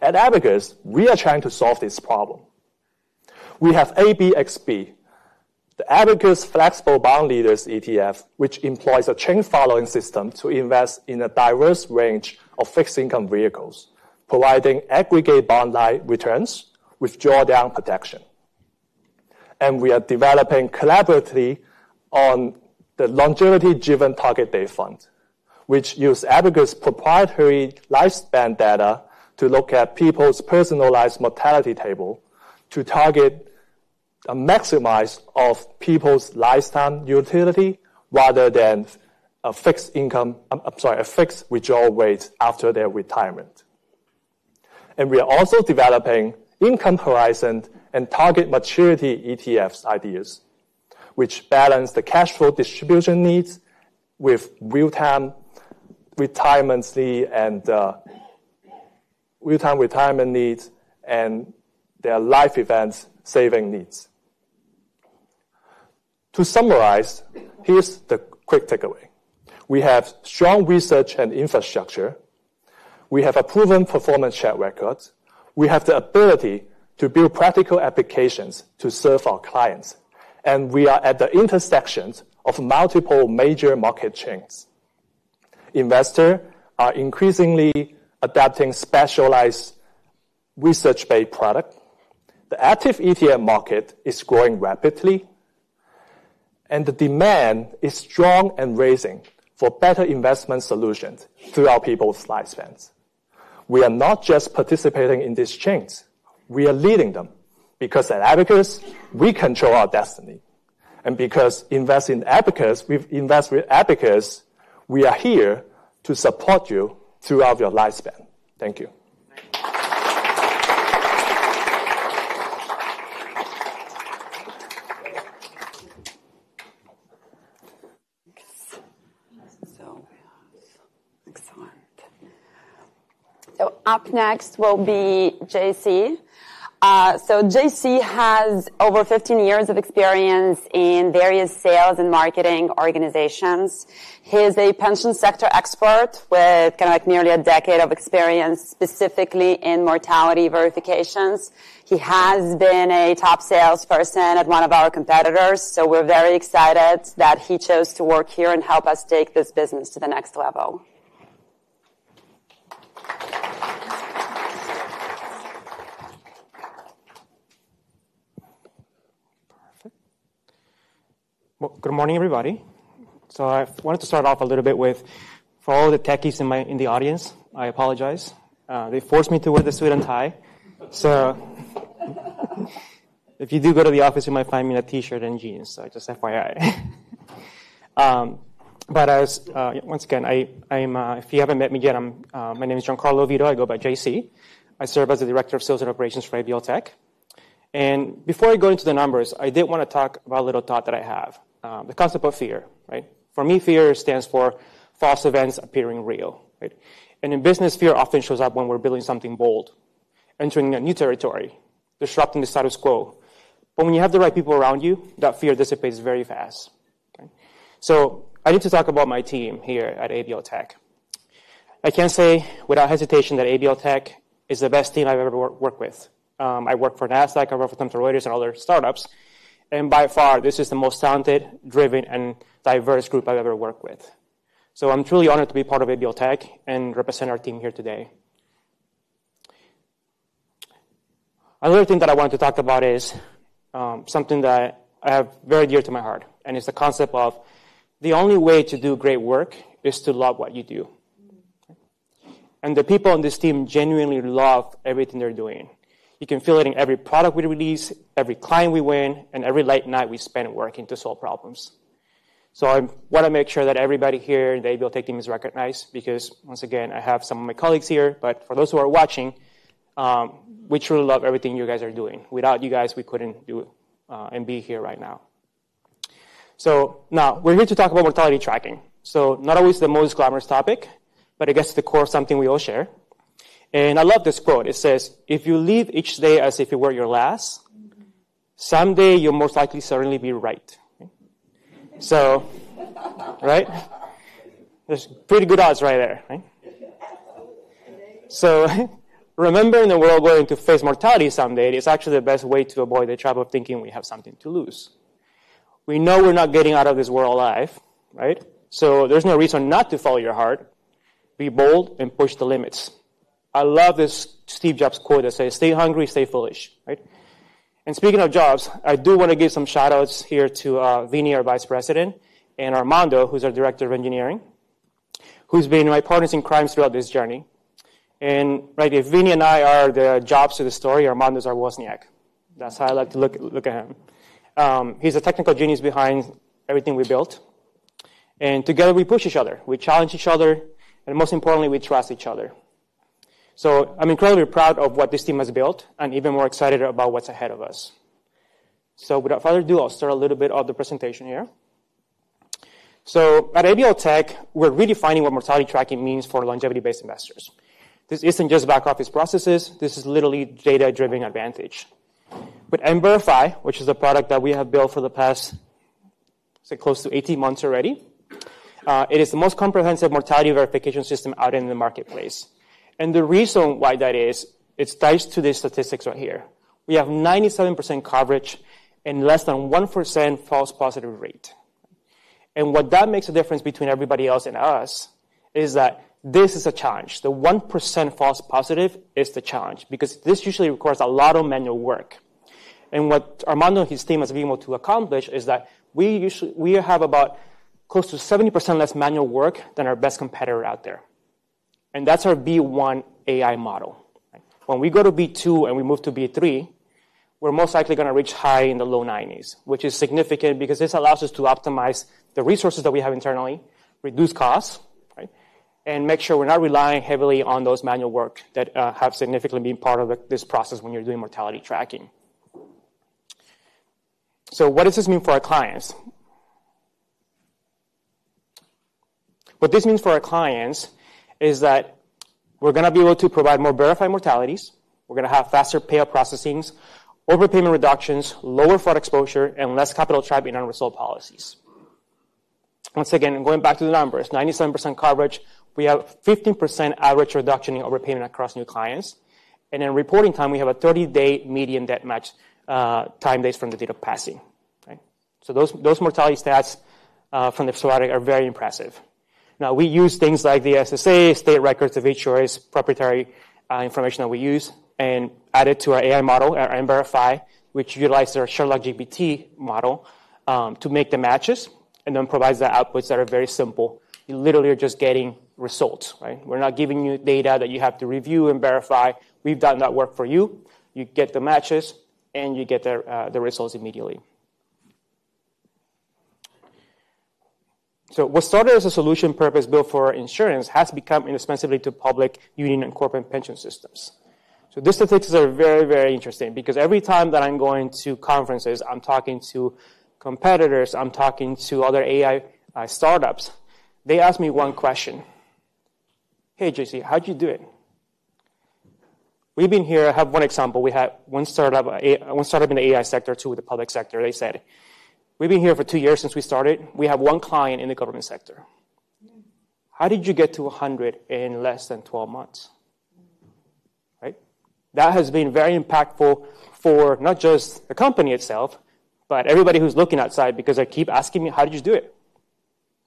At Abacus, we are trying to solve this problem. We have ABXB, the Abacus Flexible Bond Leaders ETF, which employs a chain-following system to invest in a diverse range of fixed income vehicles, providing aggregate bond-like returns with drawdown protection. We are developing collaboratively on the longevity-driven target date fund, which uses Abacus' proprietary lifespan data to look at people's personalized mortality table to target a maximize of people's lifetime utility rather than a fixed income, I'm sorry, a fixed withdrawal rate after their retirement. We are also developing income horizon and target maturity ETF ideas, which balance the cash flow distribution needs with real-time retirement needs and their life events saving needs. To summarize, here's the quick takeaway. We have strong research and infrastructure. We have a proven performance chart record. We have the ability to build practical applications to serve our clients. We are at the intersection of multiple major market chains. Investors are increasingly adopting specialized research-based products. The active ETF market is growing rapidly, and the demand is strong and rising for better investment solutions throughout people's lifespans. We are not just participating in these chains. We are leading them because at Abacus, we control our destiny. Because investing in Abacus, we invest with Abacus, we are here to support you throughout your lifespan. Thank you. Up next will be JC. JC has over 15 years of experience in various sales and marketing organizations. He is a pension sector expert with kind of like nearly a decade of experience specifically in mortality verifications. He has been a top salesperson at one of our competitors. We are very excited that he chose to work here and help us take this business to the next level. Good morning, everybody. I wanted to start off a little bit with, for all the techies in the audience, I apologize. They forced me to wear the suit and tie. If you do go to the office, you might find me in a T-shirt and jeans. Just FYI. Once again, if you have not met me yet, my name is Jean Carlo Oviedo. I go by JC. I serve as the Director of Sales and Operations for ABL Tech. Before I go into the numbers, I did want to talk about a little thought that I have, the concept of FEAR, right? For me, FEAR stands for False Events Appearing Real. In business, FEAR often shows up when we are building something bold, entering a new territory, disrupting the status quo. When you have the right people around you, that fear dissipates very fast. I need to talk about my team here at ABL Tech. I can say without hesitation that ABL Tech is the best team I have ever worked with. I work for Nasdaq, I work for Thomson Reuters, and other startups. By far, this is the most talented, driven, and diverse group I've ever worked with. I am truly honored to be part of ABL Tech and represent our team here today. Another thing that I wanted to talk about is something that I have very dear to my heart, and it's the concept of the only way to do great work is to love what you do. The people on this team genuinely love everything they're doing. You can feel it in every product we release, every client we win, and every late night we spend working to solve problems. I want to make sure that everybody here in the ABL Tech team is recognized because, once again, I have some of my colleagues here. For those who are watching, we truly love everything you guys are doing. Without you guys, we could not do and be here right now. Now we are here to talk about mortality tracking. Not always the most glamorous topic, but it gets to the core of something we all share. I love this quote. It says, "If you live each day as if it were your last, someday you will most likely suddenly be right." Right? There are pretty good odds right there, right? Remembering that we are all going to face mortality someday, it is actually the best way to avoid the trap of thinking we have something to lose. We know we are not getting out of this world alive, right? There is no reason not to follow your heart. Be bold and push the limits. I love this Steve Jobs quote that says, "Stay hungry, stay foolish," right? And speaking of Jobs, I do want to give some shout-outs here to Vinnie, our Vice President, and Armando, who's our Director of Engineering, who's been my partners in crime throughout this journey. And if Vinnie and I are the Jobs of the story, Armando's our Wozniak. That's how I like to look at him. He's the technical genius behind everything we built. And together, we push each other. We challenge each other. And most importantly, we trust each other. I am incredibly proud of what this team has built and even more excited about what's ahead of us. Without further ado, I'll start a little bit of the presentation here. At ABL Tech, we're redefining what mortality tracking means for longevity-based investors. This isn't just back-office processes. This is literally data-driven advantage. With MVerify, which is a product that we have built for the past, say, close to 18 months already, it is the most comprehensive mortality verification system out in the marketplace. The reason why that is, it's tied to these statistics right here. We have 97% coverage and less than 1% false positive rate. What makes the difference between everybody else and us is that this is a challenge. The 1% false positive is the challenge because this usually requires a lot of manual work. What Armando and his team have been able to accomplish is that we have about close to 70% less manual work than our best competitor out there. That is our B1 AI model. When we go to B2 and we move to B3, we're most likely going to reach high in the low 90s, which is significant because this allows us to optimize the resources that we have internally, reduce costs, and make sure we're not relying heavily on those manual work that have significantly been part of this process when you're doing mortality tracking. What does this mean for our clients? What this means for our clients is that we're going to be able to provide more verified mortalities. We're going to have faster payout processings, overpayment reductions, lower fraud exposure, and less capital trap in unresolved policies. Once again, going back to the numbers, 97% coverage, we have 15% average reduction in overpayment across new clients. In reporting time, we have a 30-day median debt match time based from the date of passing. Those mortality stats from the slide are very impressive. Now, we use things like the SSA, state records of HOAs, property information that we use, and add it to our AI model, our MVerify, which utilizes our Sherlock GPT model to make the matches and then provides the outputs that are very simple. You literally are just getting results. We're not giving you data that you have to review and verify. We've done that work for you. You get the matches, and you get the results immediately. What started as a solution purpose built for insurance has become inexpensively to public, union, and corporate pension systems. These statistics are very, very interesting because every time that I'm going to conferences, I'm talking to competitors, I'm talking to other AI startups, they ask me one question. Hey, JC, how'd you do it?" We've been here. I have one example. We had one startup in the AI sector too with the public sector. They said, "We've been here for two years since we started. We have one client in the government sector. How did you get to 100 in less than 12 months?" That has been very impactful for not just the company itself, but everybody who's looking outside because they keep asking me, "How did you do it?"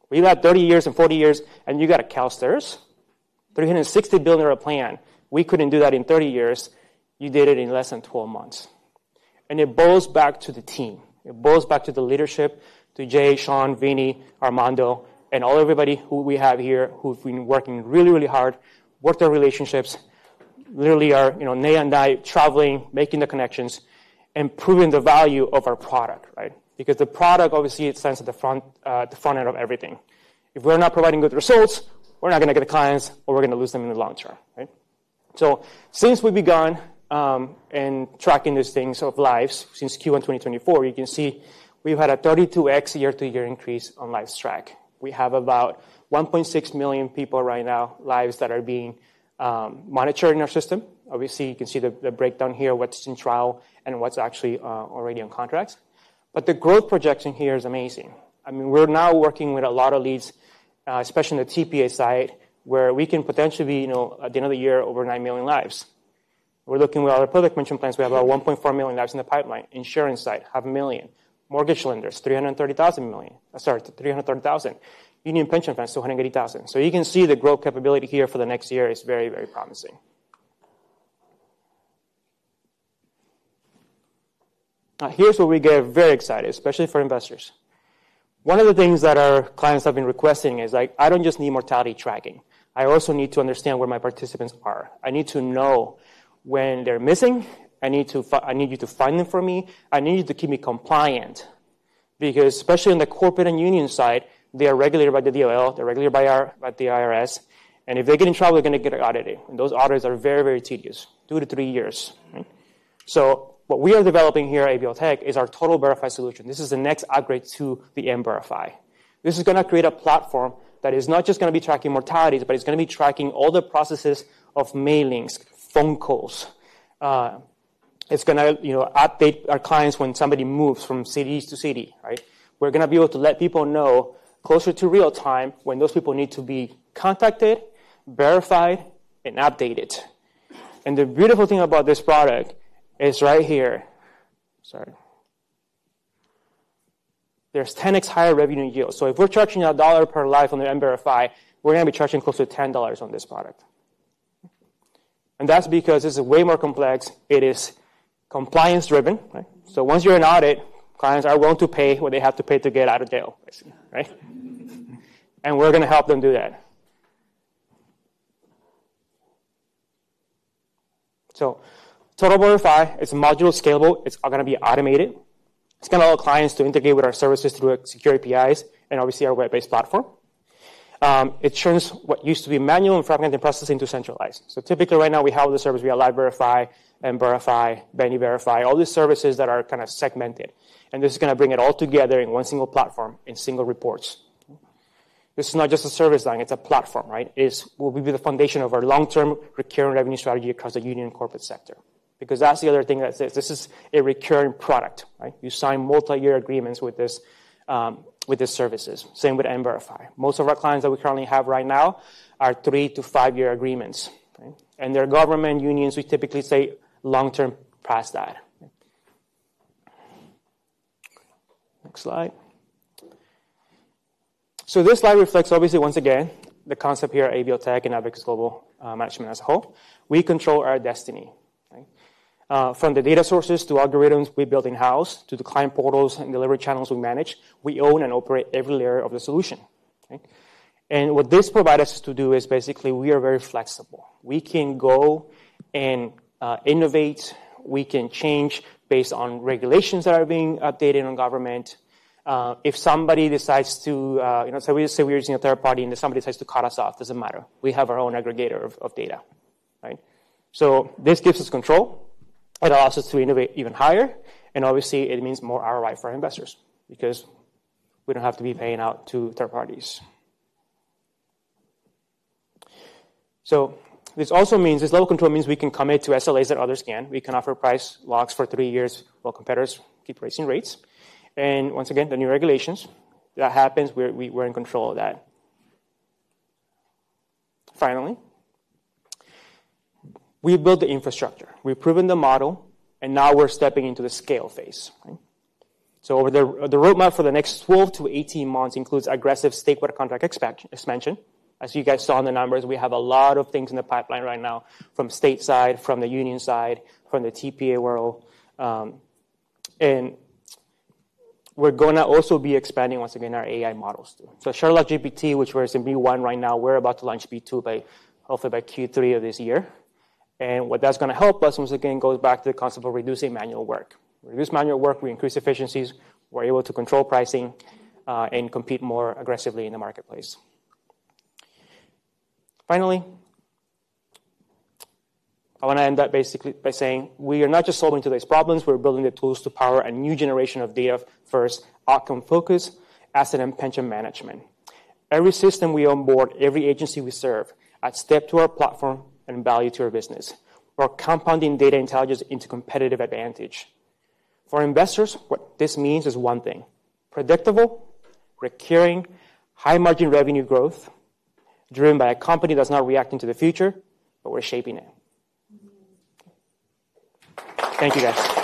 We've had 30 years and 40 years, and you got to [Carlisle's]. $360 billion plan, we couldn't do that in 30 years. You did it in less than 12 months. It boils back to the team. It boils back to the leadership, to Jay, Sean, Vinnie, Armando, and everybody who we have here who've been working really, really hard, worked our relationships, literally are Nay and I traveling, making the connections, and proving the value of our product, right? Because the product, obviously, it stands at the front end of everything. If we're not providing good results, we're not going to get the clients, or we're going to lose them in the long term, right? Since we began tracking these things of lives since Q1 2024, you can see we've had a 32x year-to-year increase on lives tracked. We have about 1.6 million people right now, lives that are being monitored in our system. Obviously, you can see the breakdown here, what's in trial and what's actually already on contracts. The growth projection here is amazing. I mean, we're now working with a lot of leads, especially in the TPA side, where we can potentially, at the end of the year, over 9 million lives. We're looking with other public pension plans. We have about 1.4 million lives in the pipeline. Insurance side, $500,000. Mortgage lenders, $330,000. Union pension funds, $280,000. You can see the growth capability here for the next year is very, very promising. Now, here's where we get very excited, especially for investors. One of the things that our clients have been requesting is, like, "I don't just need mortality tracking. I also need to understand where my participants are. I need to know when they're missing. I need you to find them for me. I need you to keep me compliant." Because especially on the corporate and union side, they are regulated by the DOL. They're regulated by the IRS. If they get in trouble, they're going to get audited. Those audits are very, very tedious, two to three years. What we are developing here at ABL Tech is our Total Verify solution. This is the next upgrade to the MVerify. This is going to create a platform that is not just going to be tracking mortalities, but it's going to be tracking all the processes of mailings, phone calls. It's going to update our clients when somebody moves from city to city, right? We're going to be able to let people know closer to real time when those people need to be contacted, verified, and updated. The beautiful thing about this product is right here. Sorry. There's 10x higher revenue yield. If we're charging a dollar per life on the MVerify, we're going to be charging close to $10 on this product. That's because this is way more complex. It is compliance-driven, right? Once you're in audit, clients are willing to pay what they have to pay to get out of jail, right? We're going to help them do that. Total Verify is modular, scalable. It's going to be automated. It's going to allow clients to integrate with our services through secure APIs and obviously our web-based platform. It turns what used to be manual and fragmented processing to centralized. Typically right now we have the service, we allowed LifeVerify, MVerify, BeneVerify, all these services that are kind of segmented. This is going to bring it all together in one single platform and single reports. This is not just a service line. It's a platform, right? It will be the foundation of our long-term recurring revenue strategy across the union and corporate sector. Because that's the other thing that says, this is a recurring product, right? You sign multi-year agreements with these services. Same with MVerify. Most of our clients that we currently have right now are three- to five-year agreements. And their government unions, we typically say long-term past that. Next slide. This slide reflects, obviously, once again, the concept here at ABL Tech and Abacus Global Management as a whole. We control our destiny. From the data sources to algorithms we build in-house to the client portals and delivery channels we manage, we own and operate every layer of the solution. What this provides us to do is basically we are very flexible. We can go and innovate. We can change based on regulations that are being updated on government. If somebody decides to, say we're using a third party and somebody decides to cut us off, it doesn't matter. We have our own aggregator of data, right? This gives us control. It allows us to innovate even higher. Obviously, it means more ROI for our investors because we don't have to be paying out to third parties. This also means this level of control means we can commit to SLAs that others cannot. We can offer price locks for three years while competitors keep raising rates. Once again, the new regulations, that happens, we're in control of that. Finally, we've built the infrastructure. We've proven the model, and now we're stepping into the scale phase. The roadmap for the next 12-18 months includes aggressive statewide contract expansion. As you guys saw in the numbers, we have a lot of things in the pipeline right now from state side, from the union side, from the TPA world. We are going to also be expanding, once again, our AI models too. Sherlock GPT, which we are in B1 right now, we are about to launch B2 hopefully by Q3 of this year. What that is going to help us, once again, goes back to the concept of reducing manual work. We reduce manual work, we increase efficiencies, we are able to control pricing, and compete more aggressively in the marketplace. Finally, I want to end that basically by saying we are not just solving today's problems. We are building the tools to power a new generation of data-first outcome-focused asset and pension management. Every system we onboard, every agency we serve, adds depth to our platform and value to our business. We're compounding data intelligence into competitive advantage. For investors, what this means is one thing: predictable, recurring, high-margin revenue growth driven by a company that's not reacting to the future, but we're shaping it. Thank you, guys.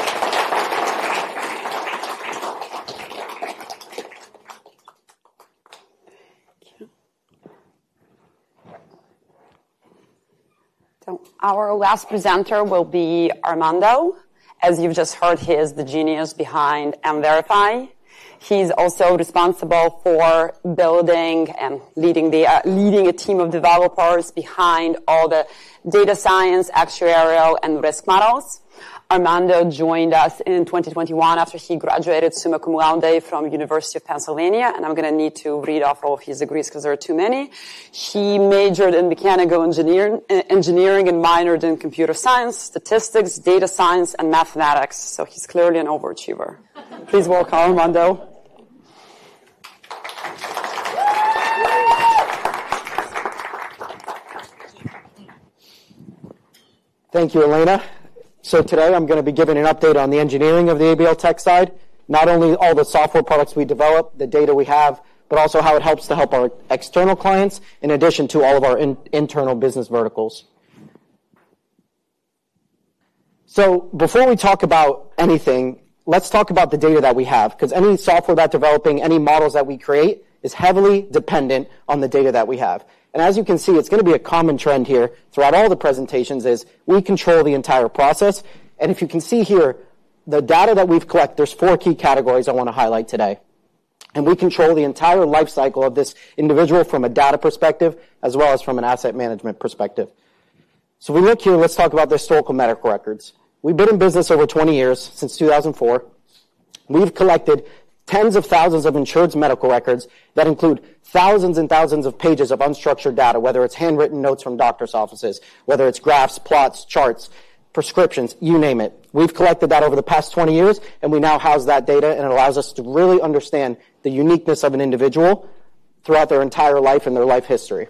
Our last presenter will be Armando. As you've just heard, he is the genius behind MVerify. He's also responsible for building and leading a team of developers behind all the data science, actuarial, and risk models. Armando joined us in 2021 after he graduated Summa Cum Laude from the University of Pennsylvania. I'm going to need to read off all of his degrees because there are too many. He majored in mechanical engineering and minored in computer science, statistics, data science, and mathematics. He's clearly an overachiever. Please welcome Armando. Thank you, Elena. Today I'm going to be giving an update on the engineering of the ABL Tech side, not only all the software products we develop, the data we have, but also how it helps to help our external clients in addition to all of our internal business verticals. Before we talk about anything, let's talk about the data that we have because any software that's developing, any models that we create is heavily dependent on the data that we have. As you can see, it's going to be a common trend here throughout all the presentations is we control the entire process. If you can see here, the data that we've collected, there are four key categories I want to highlight today. We control the entire lifecycle of this individual from a data perspective as well as from an asset management perspective. We look here, let's talk about the historical medical records. We've been in business over 20 years, since 2004. We've collected tens of thousands of insured's medical records that include thousands and thousands of pages of unstructured data, whether it's handwritten notes from doctors' offices, whether it's graphs, plots, charts, prescriptions, you name it. We've collected that over the past 20 years, and we now house that data, and it allows us to really understand the uniqueness of an individual throughout their entire life and their life history.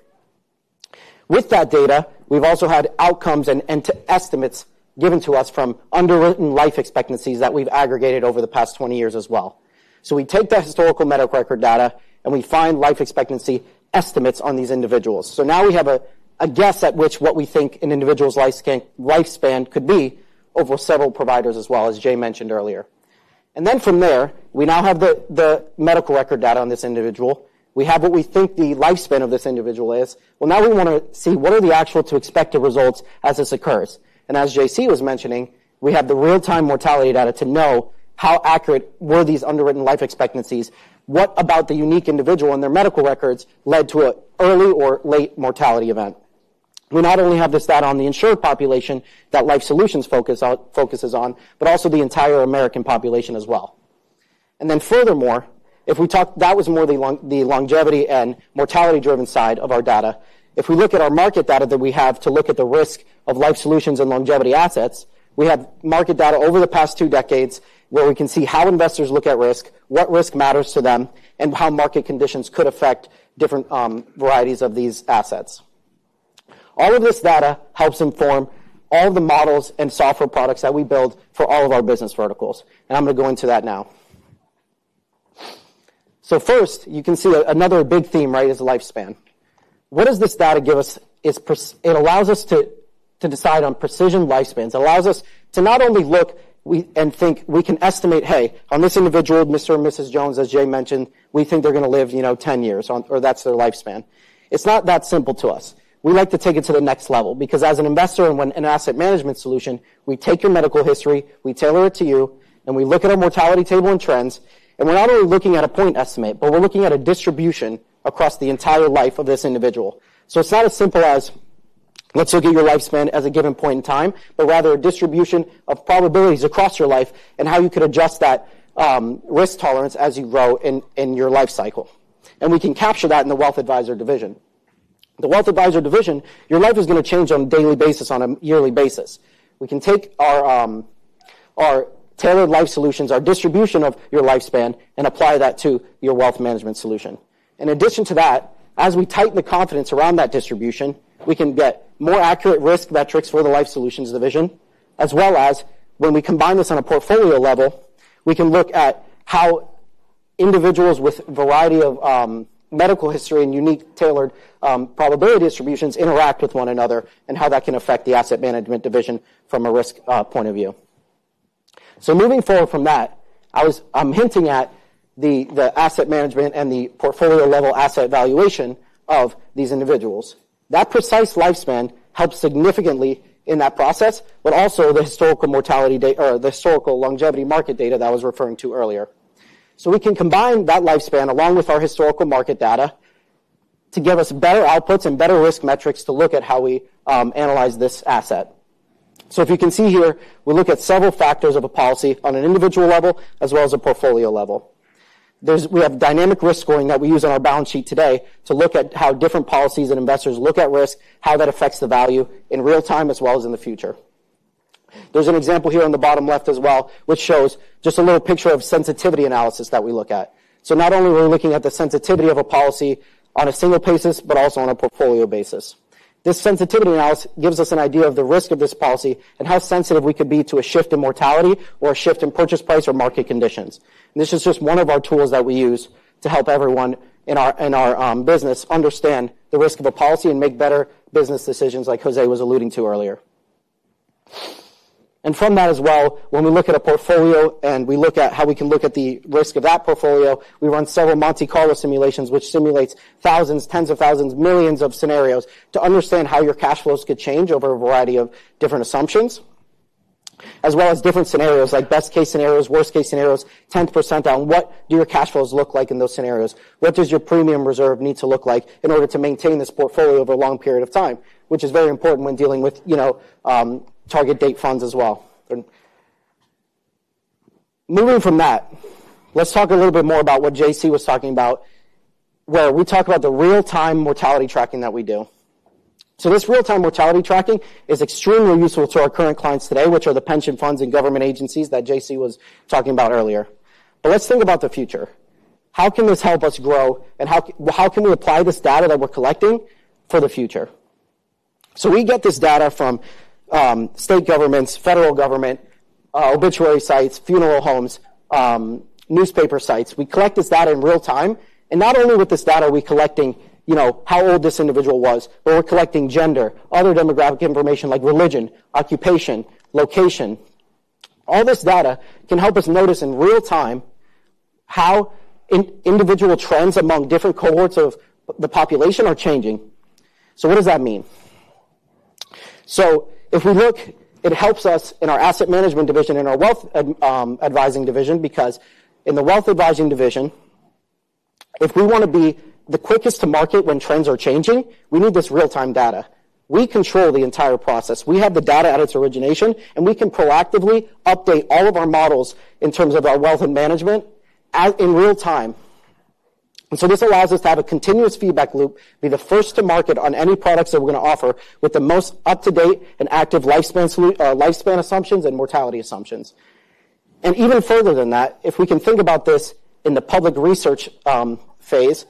With that data, we've also had outcomes and estimates given to us from underwritten life expectancies that we've aggregated over the past 20 years as well. We take that historical medical record data and we find life expectancy estimates on these individuals. Now we have a guess at what we think an individual's lifespan could be over several providers as well, as Jay mentioned earlier. From there, we now have the medical record data on this individual. We have what we think the lifespan of this individual is. We want to see what are the actual to expected results as this occurs. As JC was mentioning, we have the real-time mortality data to know how accurate were these underwritten life expectancies, what about the unique individual and their medical records led to an early or late mortality event. We not only have this data on the insured population that Life Solutions focuses on, but also the entire American population as well. Furthermore, if we talk, that was more the longevity and mortality-driven side of our data. If we look at our market data that we have to look at the risk of Life Solutions and longevity assets, we have market data over the past two decades where we can see how investors look at risk, what risk matters to them, and how market conditions could affect different varieties of these assets. All of this data helps inform all the models and software products that we build for all of our business verticals. I'm going to go into that now. First, you can see another big theme, right, is lifespan. What does this data give us? It allows us to decide on precision lifespans. It allows us to not only look and think we can estimate, hey, on this individual, Mr. and Mrs. Jones, as Jay mentioned, we think they're going to live 10 years, or that's their lifespan. It's not that simple to us. We like to take it to the next level because as an investor and an asset management solution, we take your medical history, we tailor it to you, and we look at a mortality table and trends. We're not only looking at a point estimate, but we're looking at a distribution across the entire life of this individual. It's not as simple as let's look at your lifespan as a given point in time, but rather a distribution of probabilities across your life and how you could adjust that risk tolerance as you grow in your lifecycle. We can capture that in the Wealth Advisor division. The Wealth Advisor division, your life is going to change on a daily basis, on a yearly basis. We can take our tailored Life Solutions, our distribution of your lifespan, and apply that to your wealth management solution. In addition to that, as we tighten the confidence around that distribution, we can get more accurate risk metrics for the Life Solutions division, as well as when we combine this on a portfolio level, we can look at how individuals with a variety of medical history and unique tailored probability distributions interact with one another and how that can affect the asset management division from a risk point of view. Moving forward from that, I'm hinting at the asset management and the portfolio-level asset valuation of these individuals. That precise lifespan helps significantly in that process, but also the historical mortality or the historical longevity market data that I was referring to earlier. We can combine that lifespan along with our historical market data to give us better outputs and better risk metrics to look at how we analyze this asset. If you can see here, we look at several factors of a policy on an individual level as well as a portfolio level. We have dynamic risk scoring that we use on our balance sheet today to look at how different policies and investors look at risk, how that affects the value in real time as well as in the future. There's an example here on the bottom left as well, which shows just a little picture of sensitivity analysis that we look at. Not only are we looking at the sensitivity of a policy on a single basis, but also on a portfolio basis. This sensitivity analysis gives us an idea of the risk of this policy and how sensitive we could be to a shift in mortality or a shift in purchase price or market conditions. This is just one of our tools that we use to help everyone in our business understand the risk of a policy and make better business decisions like Jose was alluding to earlier. From that as well, when we look at a portfolio and we look at how we can look at the risk of that portfolio, we run several Monte Carlo simulations, which simulates thousands, tens of thousands, millions of scenarios to understand how your cash flows could change over a variety of different assumptions, as well as different scenarios like best-case scenarios, worst-case scenarios, 10th percentile, and what do your cash flows look like in those scenarios? What does your premium reserve need to look like in order to maintain this portfolio over a long period of time, which is very important when dealing with target date funds as well. Moving from that, let's talk a little bit more about what JC was talking about, where we talk about the real-time mortality tracking that we do. This real-time mortality tracking is extremely useful to our current clients today, which are the pension funds and government agencies that JC was talking about earlier. Let's think about the future. How can this help us grow, and how can we apply this data that we're collecting for the future? We get this data from state governments, federal government, obituary sites, funeral homes, newspaper sites. We collect this data in real time. Not only with this data are we collecting how old this individual was, but we're collecting gender, other demographic information like religion, occupation, location. All this data can help us notice in real time how individual trends among different cohorts of the population are changing. What does that mean? If we look, it helps us in our asset management division and our wealth advising division because in the wealth advising division, if we want to be the quickest to market when trends are changing, we need this real-time data. We control the entire process. We have the data at its origination, and we can proactively update all of our models in terms of our wealth and management in real time. This allows us to have a continuous feedback loop, be the first to market on any products that we're going to offer with the most up-to-date and active lifespan assumptions and mortality assumptions. Even further than that, if we can think about this in the public research phase,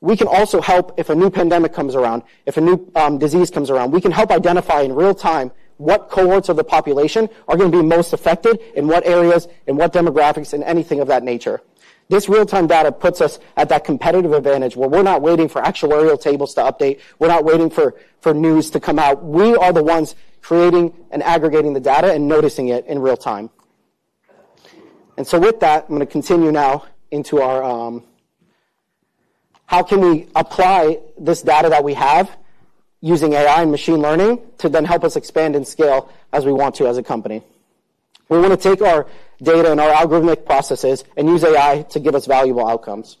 we can also help if a new pandemic comes around, if a new disease comes around, we can help identify in real time what cohorts of the population are going to be most affected in what areas and what demographics and anything of that nature. This real-time data puts us at that competitive advantage where we're not waiting for actuarial tables to update. We're not waiting for news to come out. We are the ones creating and aggregating the data and noticing it in real time. With that, I'm going to continue now into how can we apply this data that we have using AI and machine learning to then help us expand and scale as we want to as a company. We want to take our data and our algorithmic processes and use AI to give us valuable outcomes.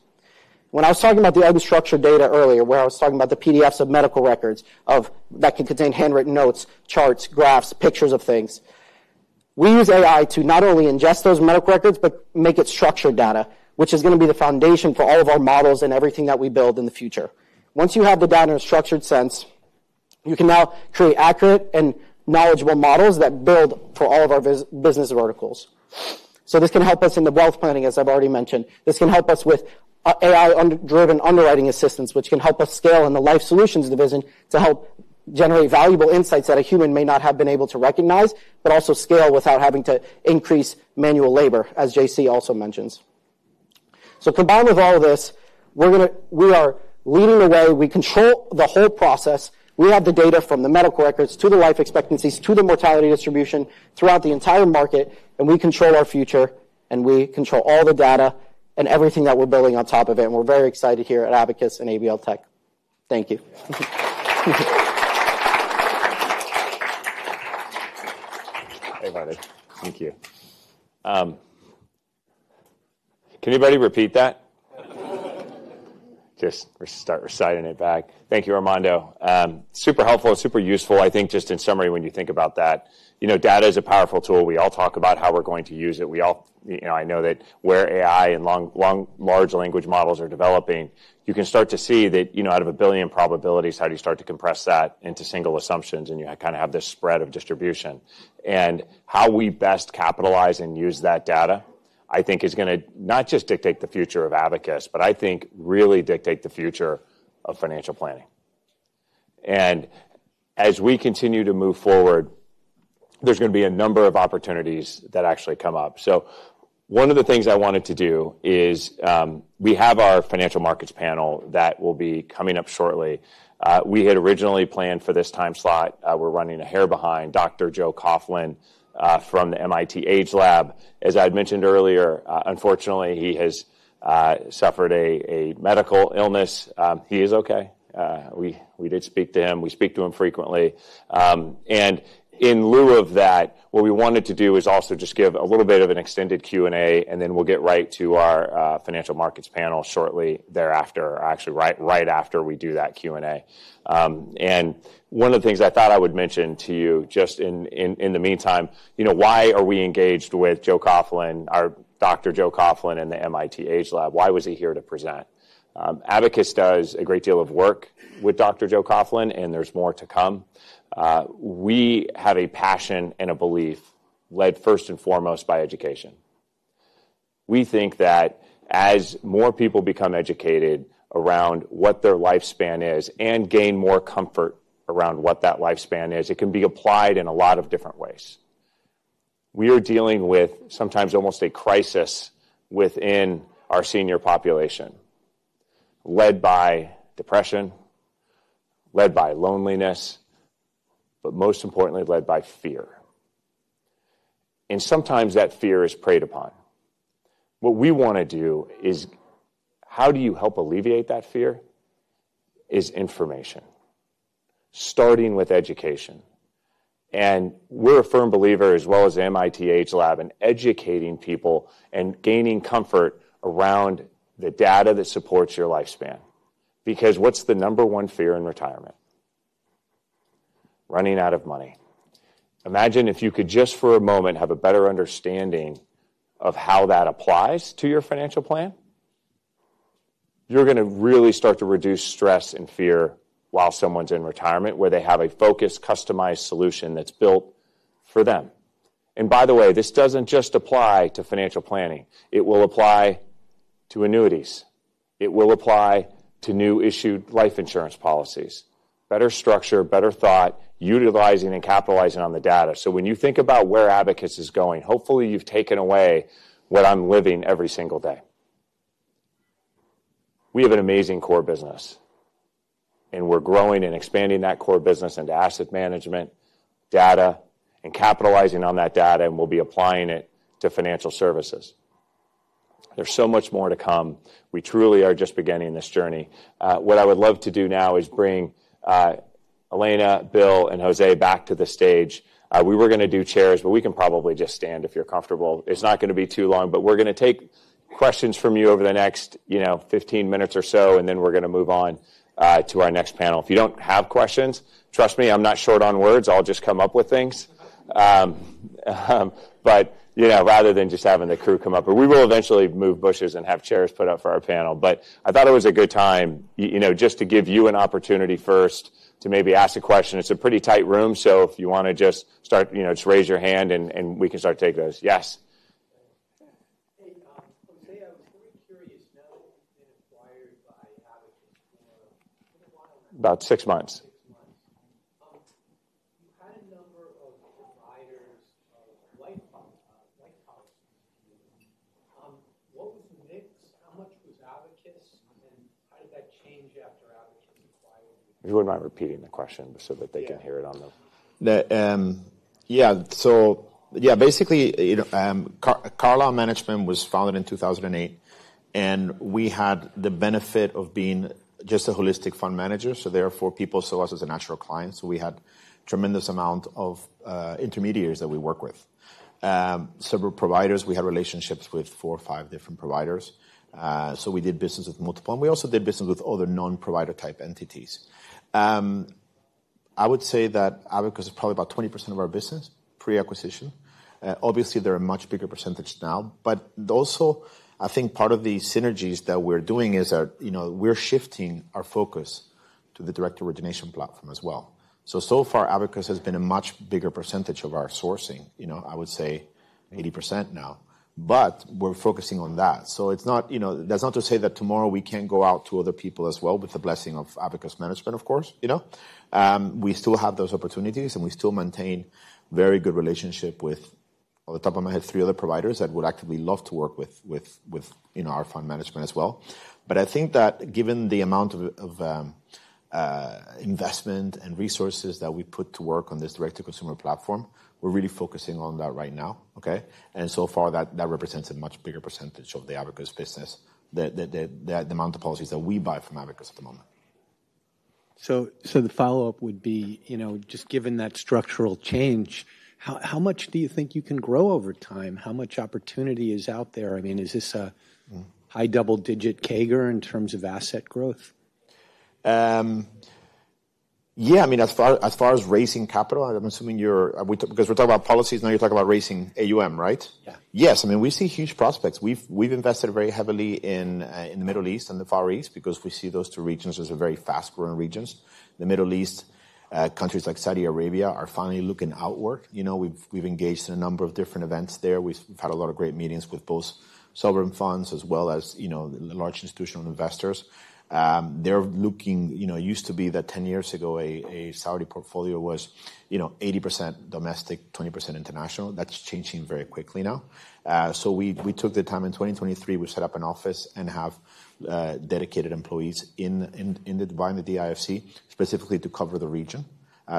When I was talking about the unstructured data earlier, where I was talking about the PDFs of medical records that can contain handwritten notes, charts, graphs, pictures of things, we use AI to not only ingest those medical records, but make it structured data, which is going to be the foundation for all of our models and everything that we build in the future. Once you have the data in a structured sense, you can now create accurate and knowledgeable models that build for all of our business verticals. This can help us in the wealth planning, as I've already mentioned. This can help us with AI-driven underwriting assistance, which can help us scale in the Life Solutions division to help generate valuable insights that a human may not have been able to recognize, but also scale without having to increase manual labor, as JC also mentions. Combined with all of this, we are leading the way. We control the whole process. We have the data from the medical records to the life expectancies to the mortality distribution throughout the entire market, and we control our future, and we control all the data and everything that we're building on top of it. We're very excited here at Abacus and ABL Tech. Thank you. Hey, Martin. Thank you. Can anybody repeat that? Just start reciting it back. Thank you, Armando. Super helpful and super useful. I think just in summary, when you think about that, data is a powerful tool. We all talk about how we're going to use it. I know that where AI and large language models are developing, you can start to see that out of a billion probabilities, how do you start to compress that into single assumptions and kind of have this spread of distribution. How we best capitalize and use that data, I think, is going to not just dictate the future of Abacus, but I think really dictate the future of financial planning. As we continue to move forward, there's going to be a number of opportunities that actually come up. One of the things I wanted to do is we have our financial markets panel that will be coming up shortly. We had originally planned for this time slot. We're running a hair behind Dr. Joe Coughlin from the MIT AgeLab. As I had mentioned earlier, unfortunately, he has suffered a medical illness. He is okay. We did speak to him. We speak to him frequently. In lieu of that, what we wanted to do is also just give a little bit of an extended Q&A, and then we'll get right to our financial markets panel shortly thereafter, actually right after we do that Q&A. One of the things I thought I would mention to you just in the meantime, why are we engaged with Dr. Joe Coughlin, our Dr. Joe Coughlin and the MIT AgeLab? Why was he here to present? Abacus does a great deal of work with Dr. Joe Coughlin, and there's more to come. We have a passion and a belief led first and foremost by education. We think that as more people become educated around what their lifespan is and gain more comfort around what that lifespan is, it can be applied in a lot of different ways. We are dealing with sometimes almost a crisis within our senior population led by depression, led by loneliness, but most importantly, led by fear. Sometimes that fear is preyed upon. What we want to do is how do you help alleviate that fear is information, starting with education. We are a firm believer, as well as the MIT AgeLab, in educating people and gaining comfort around the data that supports your lifespan. Because what's the number one fear in retirement? Running out of money. Imagine if you could just for a moment have a better understanding of how that applies to your financial plan. You're going to really start to reduce stress and fear while someone's in retirement where they have a focused, customized solution that's built for them. By the way, this doesn't just apply to financial planning. It will apply to annuities. It will apply to new issued life insurance policies. Better structure, better thought, utilizing and capitalizing on the data. When you think about where Abacus is going, hopefully you've taken away what I'm living every single day. We have an amazing core business, and we're growing and expanding that core business into asset management, data, and capitalizing on that data, and we'll be applying it to financial services. There's so much more to come. We truly are just beginning this journey. What I would love to do now is bring Elena, Bill, and Jose back to the stage. We were going to do chairs, but we can probably just stand if you're comfortable. It's not going to be too long, but we're going to take questions from you over the next 15 minutes or so, and then we're going to move on to our next panel. If you don't have questions, trust me, I'm not short on words. I'll just come up with things. Rather than just having the crew come up, we will eventually move bushes and have chairs put up for our panel. I thought it was a good time just to give you an opportunity first to maybe ask a question. It's a pretty tight room, so if you want to just start, just raise your hand and we can start taking those. Yes. Hey, Jose, I was very curious now that you've been acquired by Abacus for a little while now. About six months. Six months. You had a number of providers of life policies to you. What was the mix? How much was Abacus, and how did that change after Abacus acquired you? You would not mind repeating the question so that they can hear it on them. Yeah. So yeah, basically, Carlisle Management was founded in 2008, and we had the benefit of being just a holistic fund manager. Therefore, people saw us as a natural client. We had a tremendous amount of intermediaries that we work with. Several providers. We had relationships with four or five different providers. We did business with multiple. We also did business with other non-provider type entities. I would say that Abacus is probably about 20% of our business pre-acquisition. Obviously, they are a much bigger percentage now. I think part of the synergies that we're doing is we're shifting our focus to the direct origination platform as well. So far, Abacus has been a much bigger percentage of our sourcing. I would say 80% now, but we're focusing on that. That's not to say that tomorrow we can't go out to other people as well with the blessing of Abacus Management, of course. We still have those opportunities, and we still maintain a very good relationship with, off the top of my head, three other providers that would actively love to work with our fund management as well. I think that given the amount of investment and resources that we put to work on this direct-to-consumer platform, we're really focusing on that right now. Okay? So far, that represents a much bigger percentage of the Abacus business, the amount of policies that we buy from Abacus at the moment. So the follow-up would be, just given that structural change, how much do you think you can grow over time? How much opportunity is out there? I mean, is this a high double-digit CAGR in terms of asset growth? Yeah. I mean, as far as raising capital, I'm assuming you're, because we're talking about policies, now you're talking about raising AUM, right? Yeah. Yes. I mean, we see huge prospects. We've invested very heavily in the Middle East and the Far East because we see those two regions as very fast-growing regions. The Middle East, countries like Saudi Arabia are finally looking outward. We've engaged in a number of different events there. We've had a lot of great meetings with both sovereign funds as well as large institutional investors. They're looking, used to be that 10 years ago, a Saudi portfolio was 80% domestic, 20% international. That's changing very quickly now. We took the time in 2023. We set up an office and have dedicated employees in the IFC specifically to cover the region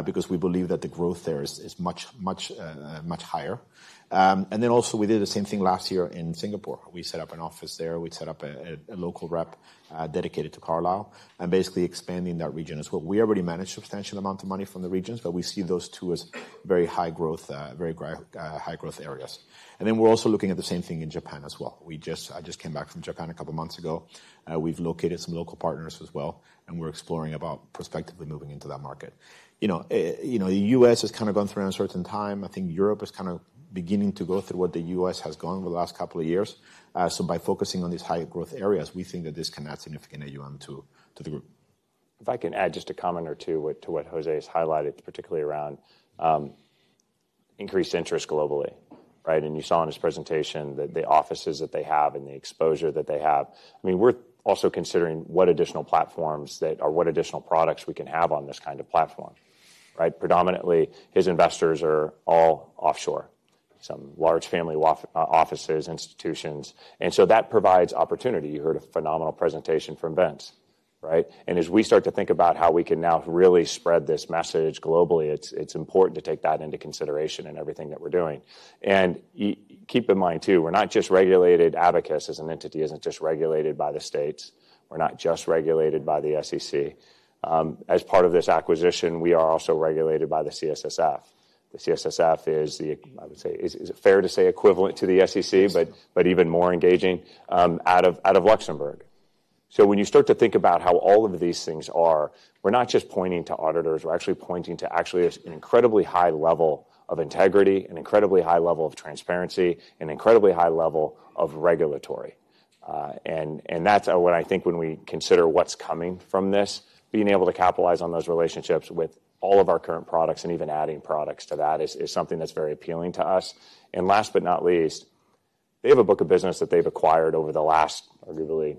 because we believe that the growth there is much higher. We did the same thing last year in Singapore. We set up an office there. We set up a local rep dedicated to Carlisle and basically expanding that region as well. We already manage a substantial amount of money from the regions, but we see those two as very high-growth areas. We're also looking at the same thing in Japan as well. I just came back from Japan a couple of months ago. We've located some local partners as well, and we're exploring about prospectively moving into that market. The U.S. has kind of gone through an uncertain time. I think Europe is kind of beginning to go through what the U.S. has gone over the last couple of years. By focusing on these high-growth areas, we think that this can add significant AUM to the group. If I can add just a comment or two to what Jose has highlighted, particularly around increased interest globally, right? You saw in his presentation that the offices that they have and the exposure that they have, I mean, we're also considering what additional platforms or what additional products we can have on this kind of platform, right? Predominantly, his investors are all offshore, some large family offices, institutions. That provides opportunity. You heard a phenomenal presentation from Vince, right? As we start to think about how we can now really spread this message globally, it's important to take that into consideration in everything that we're doing. Keep in mind too, we're not just regulated. Abacus as an entity isn't just regulated by the states. We're not just regulated by the SEC. As part of this acquisition, we are also regulated by the CSSF. The CSSF is, I would say, is it fair to say equivalent to the SEC, but even more engaging out of Luxembourg. When you start to think about how all of these things are, we're not just pointing to auditors. We're actually pointing to actually an incredibly high level of integrity, an incredibly high level of transparency, and an incredibly high level of regulatory. That is what I think when we consider what is coming from this, being able to capitalize on those relationships with all of our current products and even adding products to that is something that is very appealing to us. Last but not least, they have a book of business that they have acquired over the last, arguably,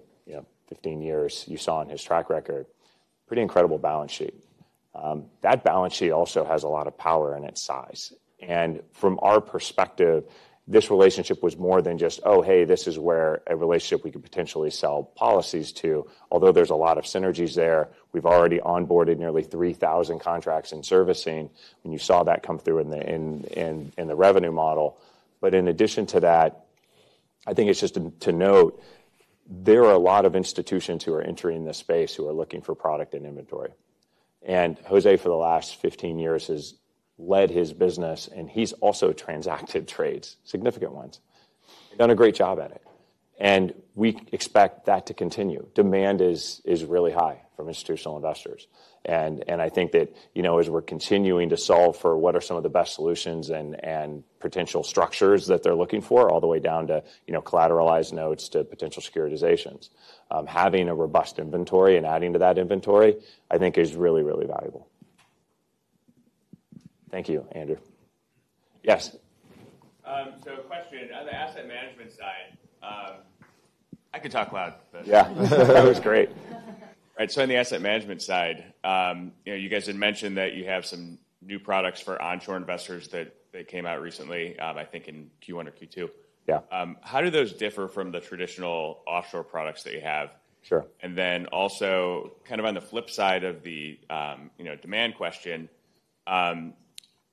15 years. You saw in his track record, pretty incredible balance sheet. That balance sheet also has a lot of power in its size. From our perspective, this relationship was more than just, "Oh, hey, this is where a relationship we could potentially sell policies to." Although there is a lot of synergy there, we have already onboarded nearly 3,000 contracts in servicing. You saw that come through in the revenue model. In addition to that, I think it's just to note, there are a lot of institutions who are entering this space who are looking for product and inventory. And Jose, for the last 15 years, has led his business, and he's also transacted trades, significant ones. He's done a great job at it. We expect that to continue. Demand is really high from institutional investors. I think that as we're continuing to solve for what are some of the best solutions and potential structures that they're looking for, all the way down to collateralized notes to potential securitizations, having a robust inventory and adding to that inventory, I think, is really, really valuable. Thank you, Andrew. Yes. A question. On the asset management side, I could talk loud, but. Yeah. That was great. All right. On the asset management side, you guys had mentioned that you have some new products for onshore investors that came out recently, I think, in Q1 or Q2. How do those differ from the traditional offshore products that you have? Sure. Also, kind of on the flip side of the demand question,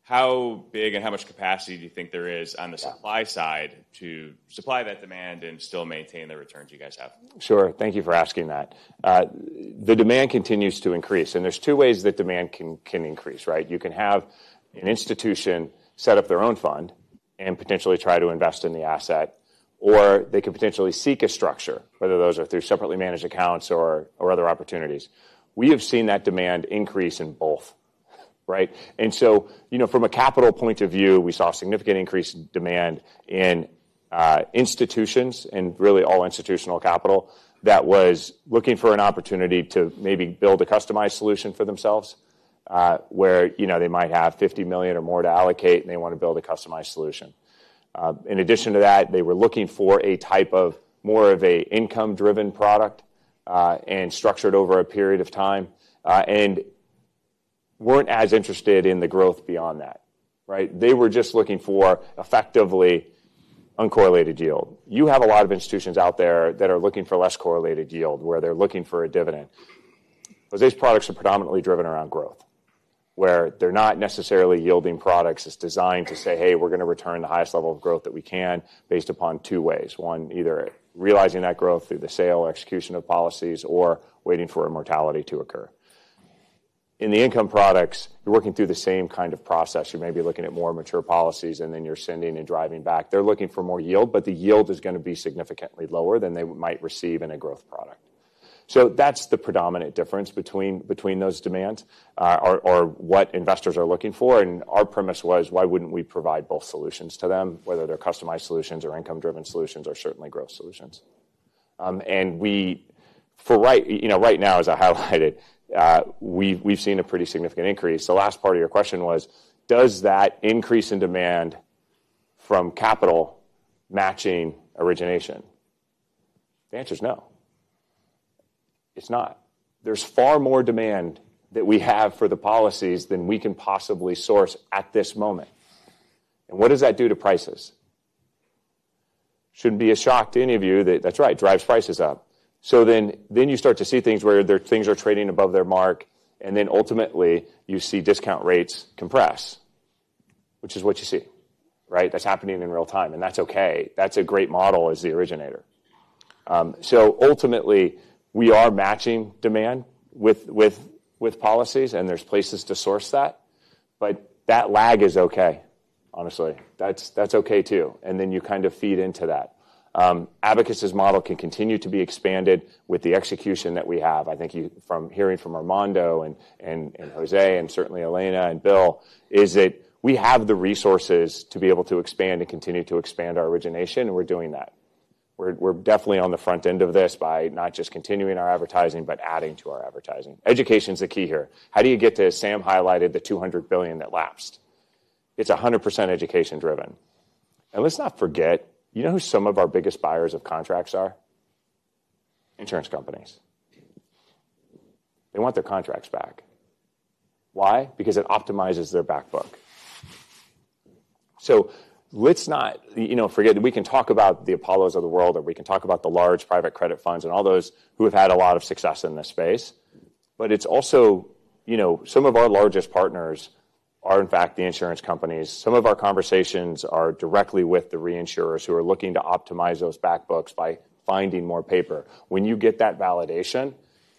how big and how much capacity do you think there is on the supply side to supply that demand and still maintain the returns you guys have? Sure. Thank you for asking that. The demand continues to increase. There are two ways that demand can increase, right? You can have an institution set up their own fund and potentially try to invest in the asset, or they could potentially seek a structure, whether those are through separately managed accounts or other opportunities. We have seen that demand increase in both, right? From a capital point of view, we saw a significant increase in demand in institutions and really all institutional capital that was looking for an opportunity to maybe build a customized solution for themselves where they might have $50 million or more to allocate, and they want to build a customized solution. In addition to that, they were looking for a type of more of an income-driven product and structured over a period of time and were not as interested in the growth beyond that, right? They were just looking for effectively uncorrelated yield. You have a lot of institutions out there that are looking for less correlated yield where they are looking for a dividend. Jose's products are predominantly driven around growth where they're not necessarily yielding products as designed to say, "Hey, we're going to return the highest level of growth that we can based upon two ways." One, either realizing that growth through the sale or execution of policies or waiting for a mortality to occur. In the income products, you're working through the same kind of process. You're maybe looking at more mature policies, and then you're sending and driving back. They're looking for more yield, but the yield is going to be significantly lower than they might receive in a growth product. That is the predominant difference between those demands or what investors are looking for. Our premise was, why wouldn't we provide both solutions to them, whether they're customized solutions or income-driven solutions or certainly growth solutions? For right now, as I highlighted, we've seen a pretty significant increase. The last part of your question was, does that increase in demand from capital match origination? The answer is no. It's not. There's far more demand that we have for the policies than we can possibly source at this moment. What does that do to prices? Shouldn't be a shock to any of you that that's right, drives prices up. You start to see things where things are trading above their mark, and then ultimately, you see discount rates compress, which is what you see, right? That's happening in real time, and that's okay. That's a great model as the originator. Ultimately, we are matching demand with policies, and there's places to source that. That lag is okay, honestly. That's okay too. You kind of feed into that. Abacus's model can continue to be expanded with the execution that we have. I think from hearing from Armando and Jose and certainly Elena and Bill is that we have the resources to be able to expand and continue to expand our origination, and we're doing that. We're definitely on the front end of this by not just continuing our advertising, but adding to our advertising. Education is the key here. How do you get to, as Sam highlighted, the $200 billion that lapsed? It's 100% education-driven. You know who some of our biggest buyers of contracts are? Insurance companies. They want their contracts back. Why? Because it optimizes their backbook. Let's not forget that we can talk about the Apollos of the world, or we can talk about the large private credit funds and all those who have had a lot of success in this space. Some of our largest partners are, in fact, the insurance companies. Some of our conversations are directly with the reinsurers who are looking to optimize those backbooks by finding more paper. When you get that validation,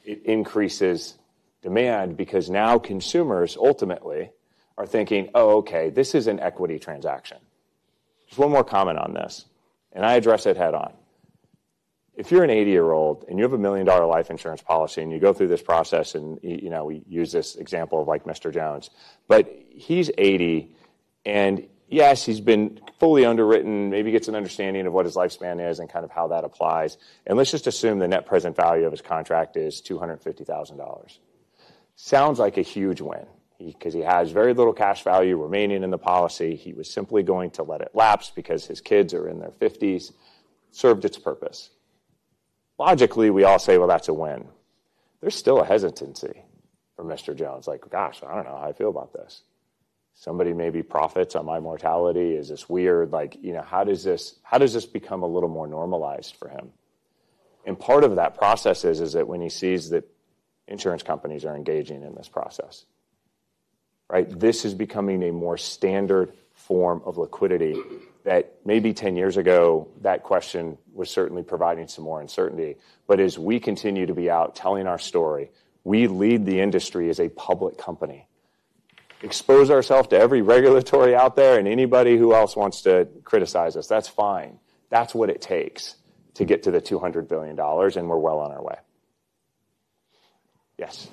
it increases demand because now consumers ultimately are thinking, "Oh, okay, this is an equity transaction." Just one more comment on this, and I address it head-on. If you're an 80-year-old and you have a $1 million life insurance policy and you go through this process, and we use this example of like Mr. Jones, but he's 80, and yes, he's been fully underwritten, maybe gets an understanding of what his lifespan is and kind of how that applies. Let's just assume the net present value of his contract is $250,000. Sounds like a huge win because he has very little cash value remaining in the policy. He was simply going to let it lapse because his kids are in their 50s. Served its purpose. Logically, we all say, "That's a win." There's still a hesitancy for Mr. Jones. Like, "Gosh, I don't know how I feel about this. Somebody maybe profits on my mortality. Is this weird? How does this become a little more normalized for him?" Part of that process is that when he sees that insurance companies are engaging in this process, right? This is becoming a more standard form of liquidity that maybe 10 years ago, that question was certainly providing some more uncertainty. As we continue to be out telling our story, we lead the industry as a public company. Expose ourselves to every regulatory out there and anybody who else wants to criticize us. That's fine. That's what it takes to get to the $200 billion, and we're well on our way. Yes.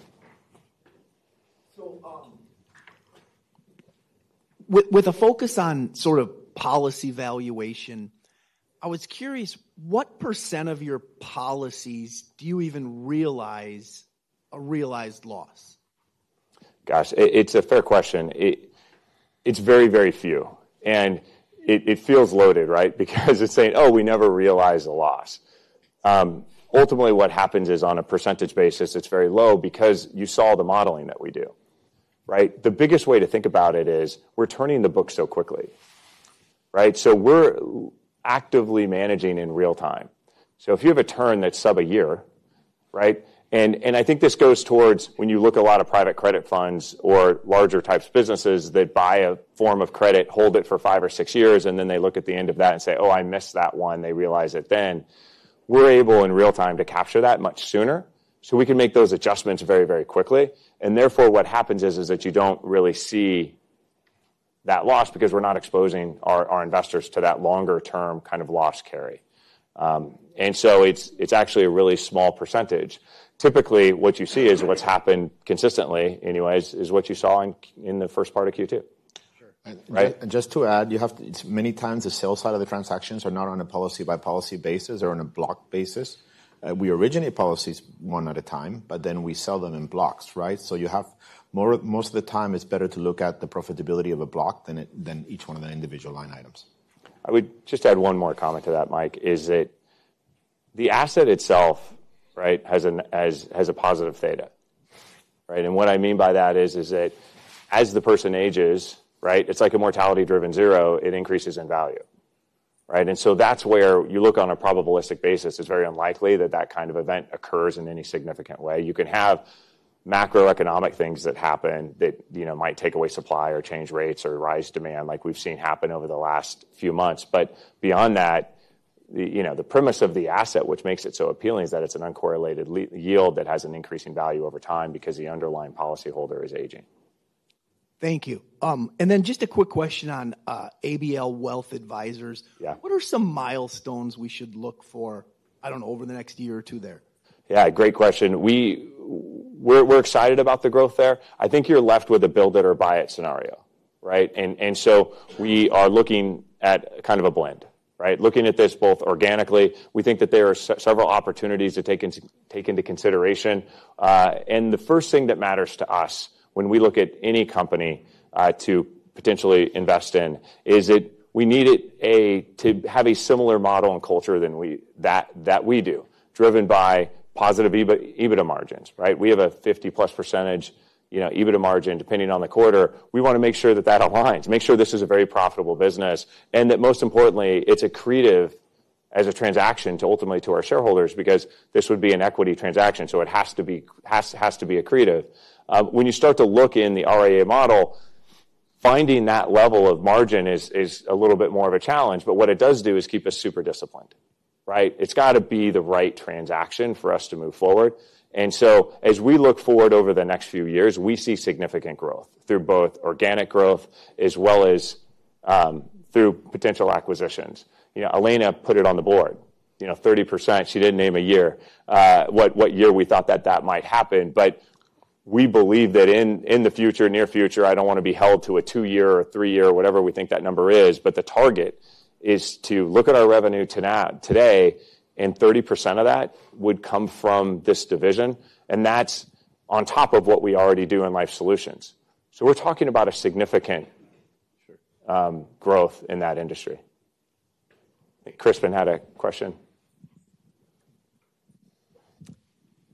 With a focus on sort of policy valuation, I was curious, what % of your policies do you even realize a realized loss? Gosh, it's a fair question. It's very, very few. It feels loaded, right, because it's saying, "Oh, we never realize a loss." Ultimately, what happens is on a percentage basis, it's very low because you saw the modeling that we do, right? The biggest way to think about it is we're turning the book so quickly, right? We're actively managing in real time. If you have a turn that's sub a year, right? I think this goes towards when you look at a lot of private credit funds or larger types of businesses that buy a form of credit, hold it for five or six years, and then they look at the end of that and say, "Oh, I missed that one." They realize it then. We're able in real time to capture that much sooner. We can make those adjustments very, very quickly. Therefore, what happens is that you don't really see that loss because we're not exposing our investors to that longer-term kind of loss carry. It's actually a really small percentage. Typically, what you see is what's happened consistently anyways is what you saw in the first part of Q2. Sure. And just to add, many times the sales side of the transactions are not on a policy-by-policy basis or on a block basis. We originate policies one at a time, but then we sell them in blocks, right? Most of the time, it's better to look at the profitability of a block than each one of the individual line items. I would just add one more comment to that, Mike, is that the asset itself, right, has a positive theta, right? What I mean by that is that as the person ages, right, it's like a mortality-driven zero. It increases in value, right? That's where you look on a probabilistic basis. It's very unlikely that that kind of event occurs in any significant way. You can have macroeconomic things that happen that might take away supply or change rates or rise demand like we've seen happen over the last few months. Beyond that, the premise of the asset, which makes it so appealing, is that it's an uncorrelated yield that has an increasing value over time because the underlying policyholder is aging. Thank you. And then just a quick question on ABL Wealth Advisors. What are some milestones we should look for, I don't know, over the next year or two there? Yeah, great question. We're excited about the growth there. I think you're left with a build-it-or-buy-it scenario, right? We are looking at kind of a blend, right? Looking at this both organically, we think that there are several opportunities to take into consideration. The first thing that matters to us when we look at any company to potentially invest in is that we need it to have a similar model and culture than we do, driven by positive EBITDA margins, right? We have a 50+% EBITDA margin depending on the quarter. We want to make sure that that aligns, make sure this is a very profitable business, and that most importantly, it's accretive as a transaction to ultimately to our shareholders because this would be an equity transaction. It has to be accretive. When you start to look in the RIA model, finding that level of margin is a little bit more of a challenge. What it does do is keep us super disciplined, right? It's got to be the right transaction for us to move forward. As we look forward over the next few years, we see significant growth through both organic growth as well as through potential acquisitions. Elena put it on the board, 30%. She did not name a year, what year we thought that that might happen. We believe that in the future, near future, I do not want to be held to a two-year or three-year or whatever we think that number is, but the target is to look at our revenue today, and 30% of that would come from this division. That is on top of what we already do in Life Solutions. We are talking about a significant growth in that industry. Crispin had a question.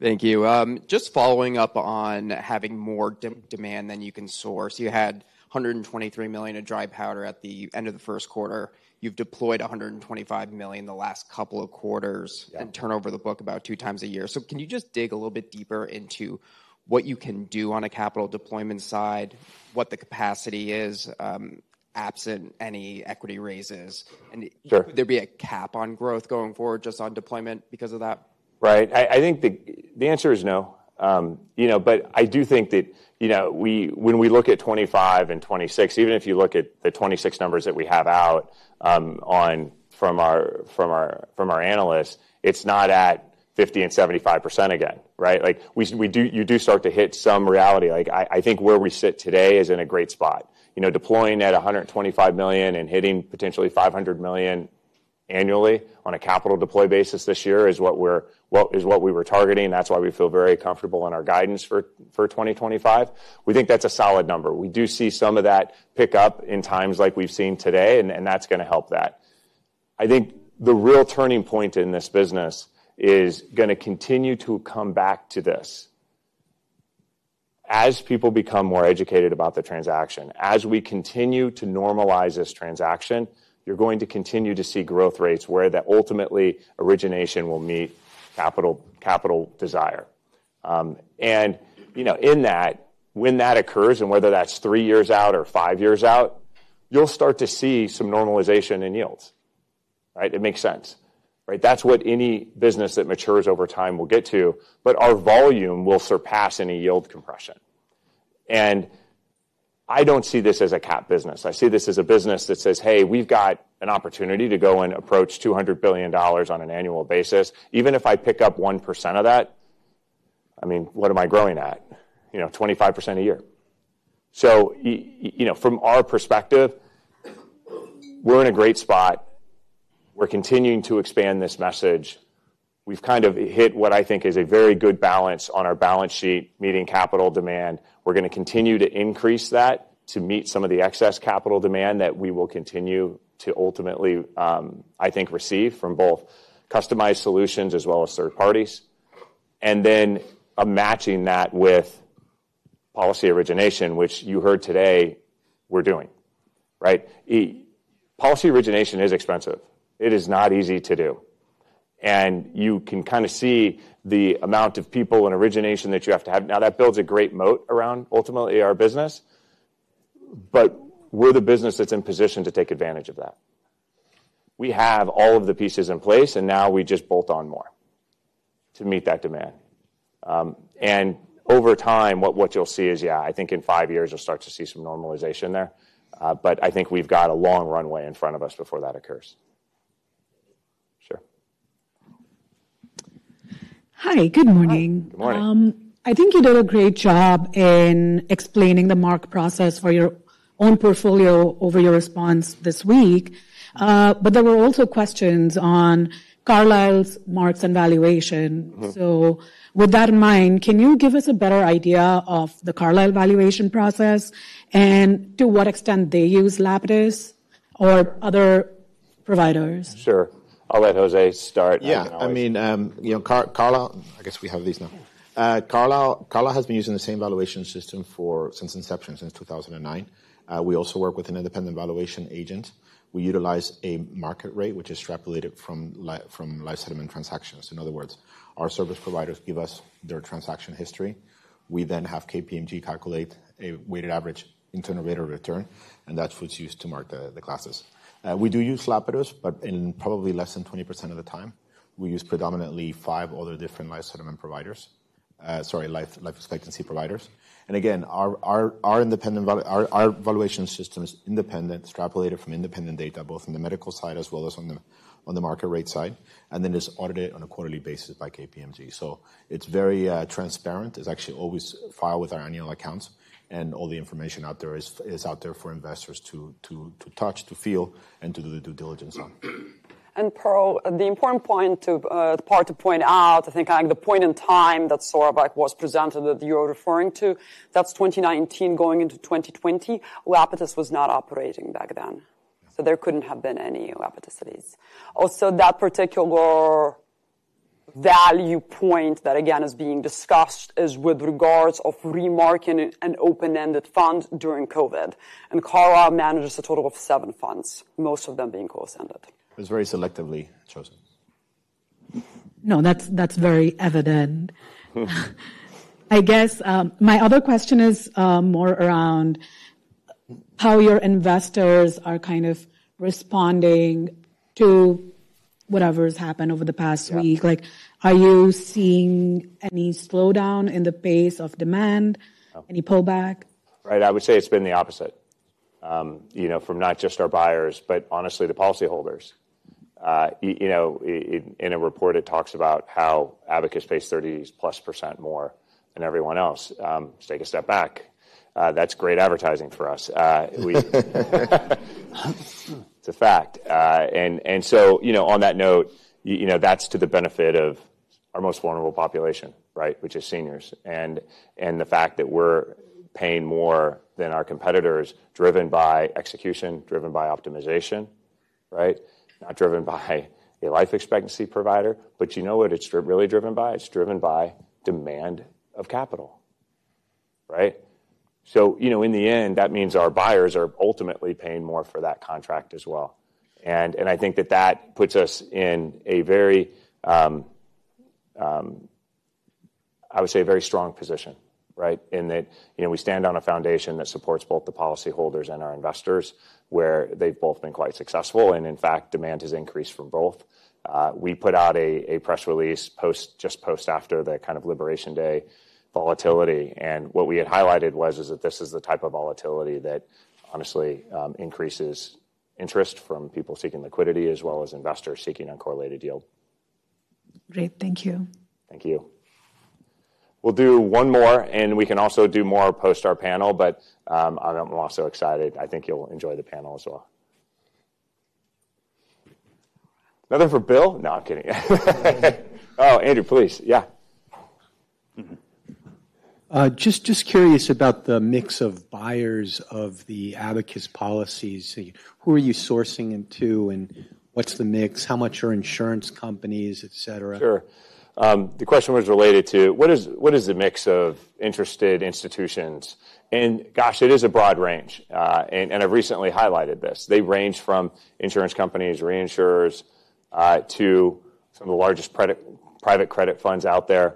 Thank you. Just following up on having more demand than you can source. You had $123 million of dry powder at the end of the first quarter. You've deployed $125 million the last couple of quarters and turn over the book about two times a year. Can you just dig a little bit deeper into what you can do on a capital deployment side, what the capacity is absent any equity raises? Would there be a cap on growth going forward just on deployment because of that? Right. I think the answer is no. I do think that when we look at 2025 and 2026, even if you look at the 2026 numbers that we have out from our analysts, it's not at 50% and 75% again, right? You do start to hit some reality. I think where we sit today is in a great spot. Deploying at $125 million and hitting potentially $500 million annually on a capital deploy basis this year is what we were targeting. That's why we feel very comfortable in our guidance for 2025. We think that's a solid number. We do see some of that pick up in times like we've seen today, and that's going to help that. I think the real turning point in this business is going to continue to come back to this. As people become more educated about the transaction, as we continue to normalize this transaction, you're going to continue to see growth rates where that ultimately origination will meet capital desire. In that, when that occurs, and whether that's three years out or five years out, you'll start to see some normalization in yields, right? It makes sense, right? That's what any business that matures over time will get to, but our volume will surpass any yield compression. I don't see this as a cap business. I see this as a business that says, "Hey, we've got an opportunity to go and approach $200 billion on an annual basis. Even if I pick up 1% of that, I mean, what am I growing at? 25% a year." From our perspective, we're in a great spot. We're continuing to expand this message. We've kind of hit what I think is a very good balance on our balance sheet meeting capital demand. We're going to continue to increase that to meet some of the excess capital demand that we will continue to ultimately, I think, receive from both customized solutions as well as third parties. Matching that with policy origination, which you heard today we're doing, right? Policy origination is expensive. It is not easy to do. You can kind of see the amount of people and origination that you have to have. Now, that builds a great moat around ultimately our business, but we're the business that's in position to take advantage of that. We have all of the pieces in place, and now we just bolt on more to meet that demand. Over time, what you'll see is, yeah, I think in five years, you'll start to see some normalization there. I think we've got a long runway in front of us before that occurs. Sure. Hi, good morning. Good morning. I think you did a great job in explaining the mark process for your own portfolio over your response this week. There were also questions on Carlisle's marks and valuation. With that in mind, can you give us a better idea of the Carlisle valuation process and to what extent they use Lapidus or other providers? Sure. I'll let Jose start. Yeah. I mean, Carlisle, I guess we have these now. Carlisle has been using the same valuation system since inception, since 2009. We also work with an independent valuation agent. We utilize a market rate, which is extrapolated from live settlement transactions. In other words, our service providers give us their transaction history. We then have KPMG calculate a weighted average internal rate of return, and that's what's used to mark the classes. We do use Lapidus, but in probably less than 20% of the time, we use predominantly five other different life settlement providers, sorry, life expectancy providers. Again, our valuation system is independent, extrapolated from independent data, both on the medical side as well as on the market rate side, and then it's audited on a quarterly basis by KPMG. It is very transparent. It's actually always filed with our annual accounts, and all the information out there is out there for investors to touch, to feel, and to do the due diligence on. And Pearl, the important part to point out, I think the point in time that sort of was presented that you're referring to, that's 2019 going into 2020, Lapidus was not operating back then. So there couldn't have been any Lapidus cities. Also, that particular value point that, again, is being discussed is with regards to remarking an open-ended fund during COVID. Carlisle manages a total of seven funds, most of them being co-sended. It was very selectively chosen. No, that's very evident. I guess my other question is more around how your investors are kind of responding to whatever has happened over the past week. Are you seeing any slowdown in the pace of demand, any pullback? Right. I would say it's been the opposite from not just our buyers, but honestly, the policyholders. In a report, it talks about how Abacus pays 30+% more than everyone else. Take a step back. That's great advertising for us. It's a fact. On that note, that's to the benefit of our most vulnerable population, right, which is seniors. The fact that we're paying more than our competitors is driven by execution, driven by optimization, right, not driven by a life expectancy provider. You know what it's really driven by? It's driven by demand of capital, right? In the end, that means our buyers are ultimately paying more for that contract as well. I think that that puts us in a very, I would say, very strong position, right, in that we stand on a foundation that supports both the policyholders and our investors where they've both been quite successful. In fact, demand has increased from both. We put out a press release just post-after the kind of liberation day volatility. What we had highlighted was that this is the type of volatility that honestly increases interest from people seeking liquidity as well as investors seeking uncorrelated yield. Great. Thank you. Thank you. We'll do one more, and we can also do more post our panel, but I'm also excited. I think you'll enjoy the panel as well. Another for Bill? No, I'm kidding. Oh, Andrew, please. Yeah. Just curious about the mix of buyers of the Abacus policies. Who are you sourcing into and what's the mix? How much are insurance companies, etc.? Sure. The question was related to what is the mix of interested institutions? Gosh, it is a broad range. I have recently highlighted this. They range from insurance companies, reinsurers to some of the largest private credit funds out there.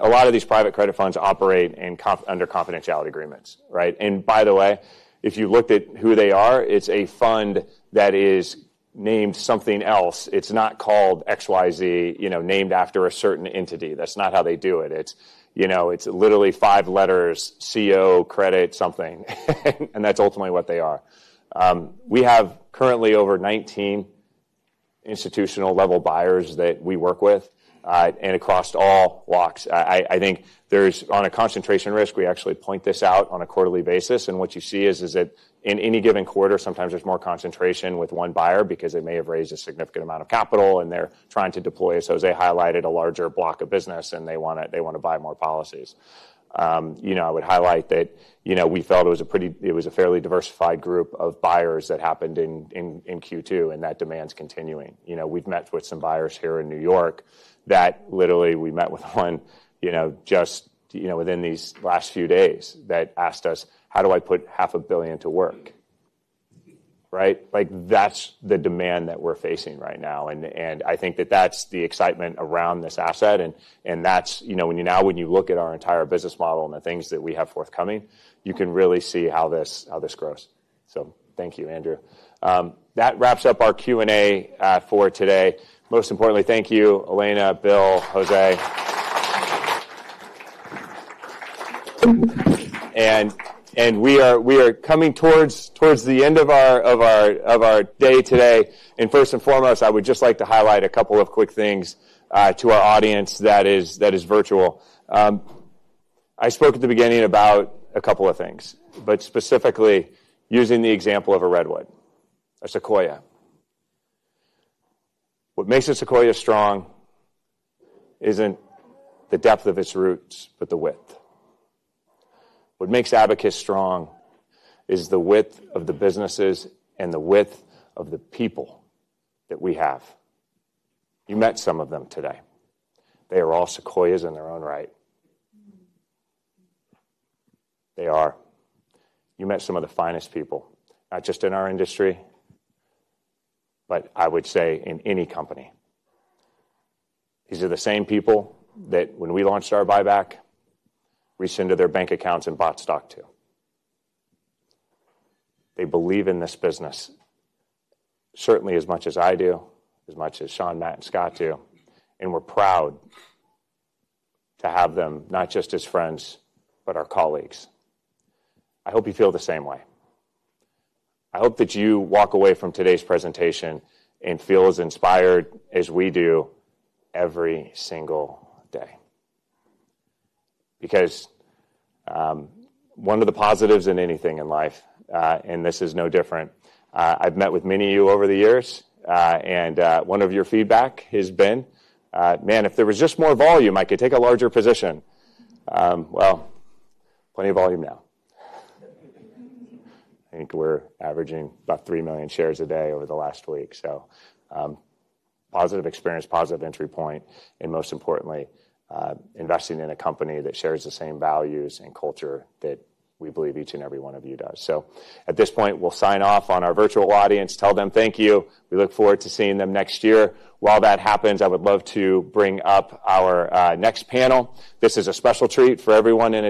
A lot of these private credit funds operate under confidentiality agreements, right? By the way, if you looked at who they are, it is a fund that is named something else. It is not called XYZ, named after a certain entity. That is not how they do it. It is literally five letters, CO, credit, something. That is ultimately what they are. We have currently over 19 institutional-level buyers that we work with and across all walks. I think on a concentration risk, we actually point this out on a quarterly basis. What you see is that in any given quarter, sometimes there is more concentration with one buyer because they may have raised a significant amount of capital and they are trying to deploy. As Jose highlighted, a larger block of business and they want to buy more policies. I would highlight that we felt it was a fairly diversified group of buyers that happened in Q2 and that demand is continuing. We have met with some buyers here in New York that literally we met with one just within these last few days that asked us, "How do I put $500 million to work?" Right? That is the demand that we are facing right now. I think that is the excitement around this asset. Now when you look at our entire business model and the things that we have forthcoming, you can really see how this grows. Thank you, Andrew. That wraps up our Q&A for today. Most importantly, thank you, Elena, Bill, Jose. We are coming towards the end of our day today. First and foremost, I would just like to highlight a couple of quick things to our audience that is virtual. I spoke at the beginning about a couple of things, but specifically using the example of a redwood, a sequoia. What makes a sequoia strong is not the depth of its roots, but the width. What makes Abacus strong is the width of the businesses and the width of the people that we have. You met some of them today. They are all sequoias in their own right. They are. You met some of the finest people, not just in our industry, but I would say in any company. These are the same people that when we launched our buyback, we sent to their bank accounts and bought stock to. They believe in this business certainly as much as I do, as much as Sean, Matt, and Scott do. We are proud to have them not just as friends, but our colleagues. I hope you feel the same way. I hope that you walk away from today's presentation and feel as inspired as we do every single day. Because one of the positives in anything in life, and this is no different, I have met with many of you over the years, and one of your feedback has been, "Man, if there was just more volume, I could take a larger position." There is plenty of volume now. I think we are averaging about 3 million shares a day over the last week. Positive experience, positive entry point, and most importantly, investing in a company that shares the same values and culture that we believe each and every one of you does. At this point, we'll sign off on our virtual audience, tell them thank you. We look forward to seeing them next year. While that happens, I would love to bring up our next panel. This is a special treat for everyone in.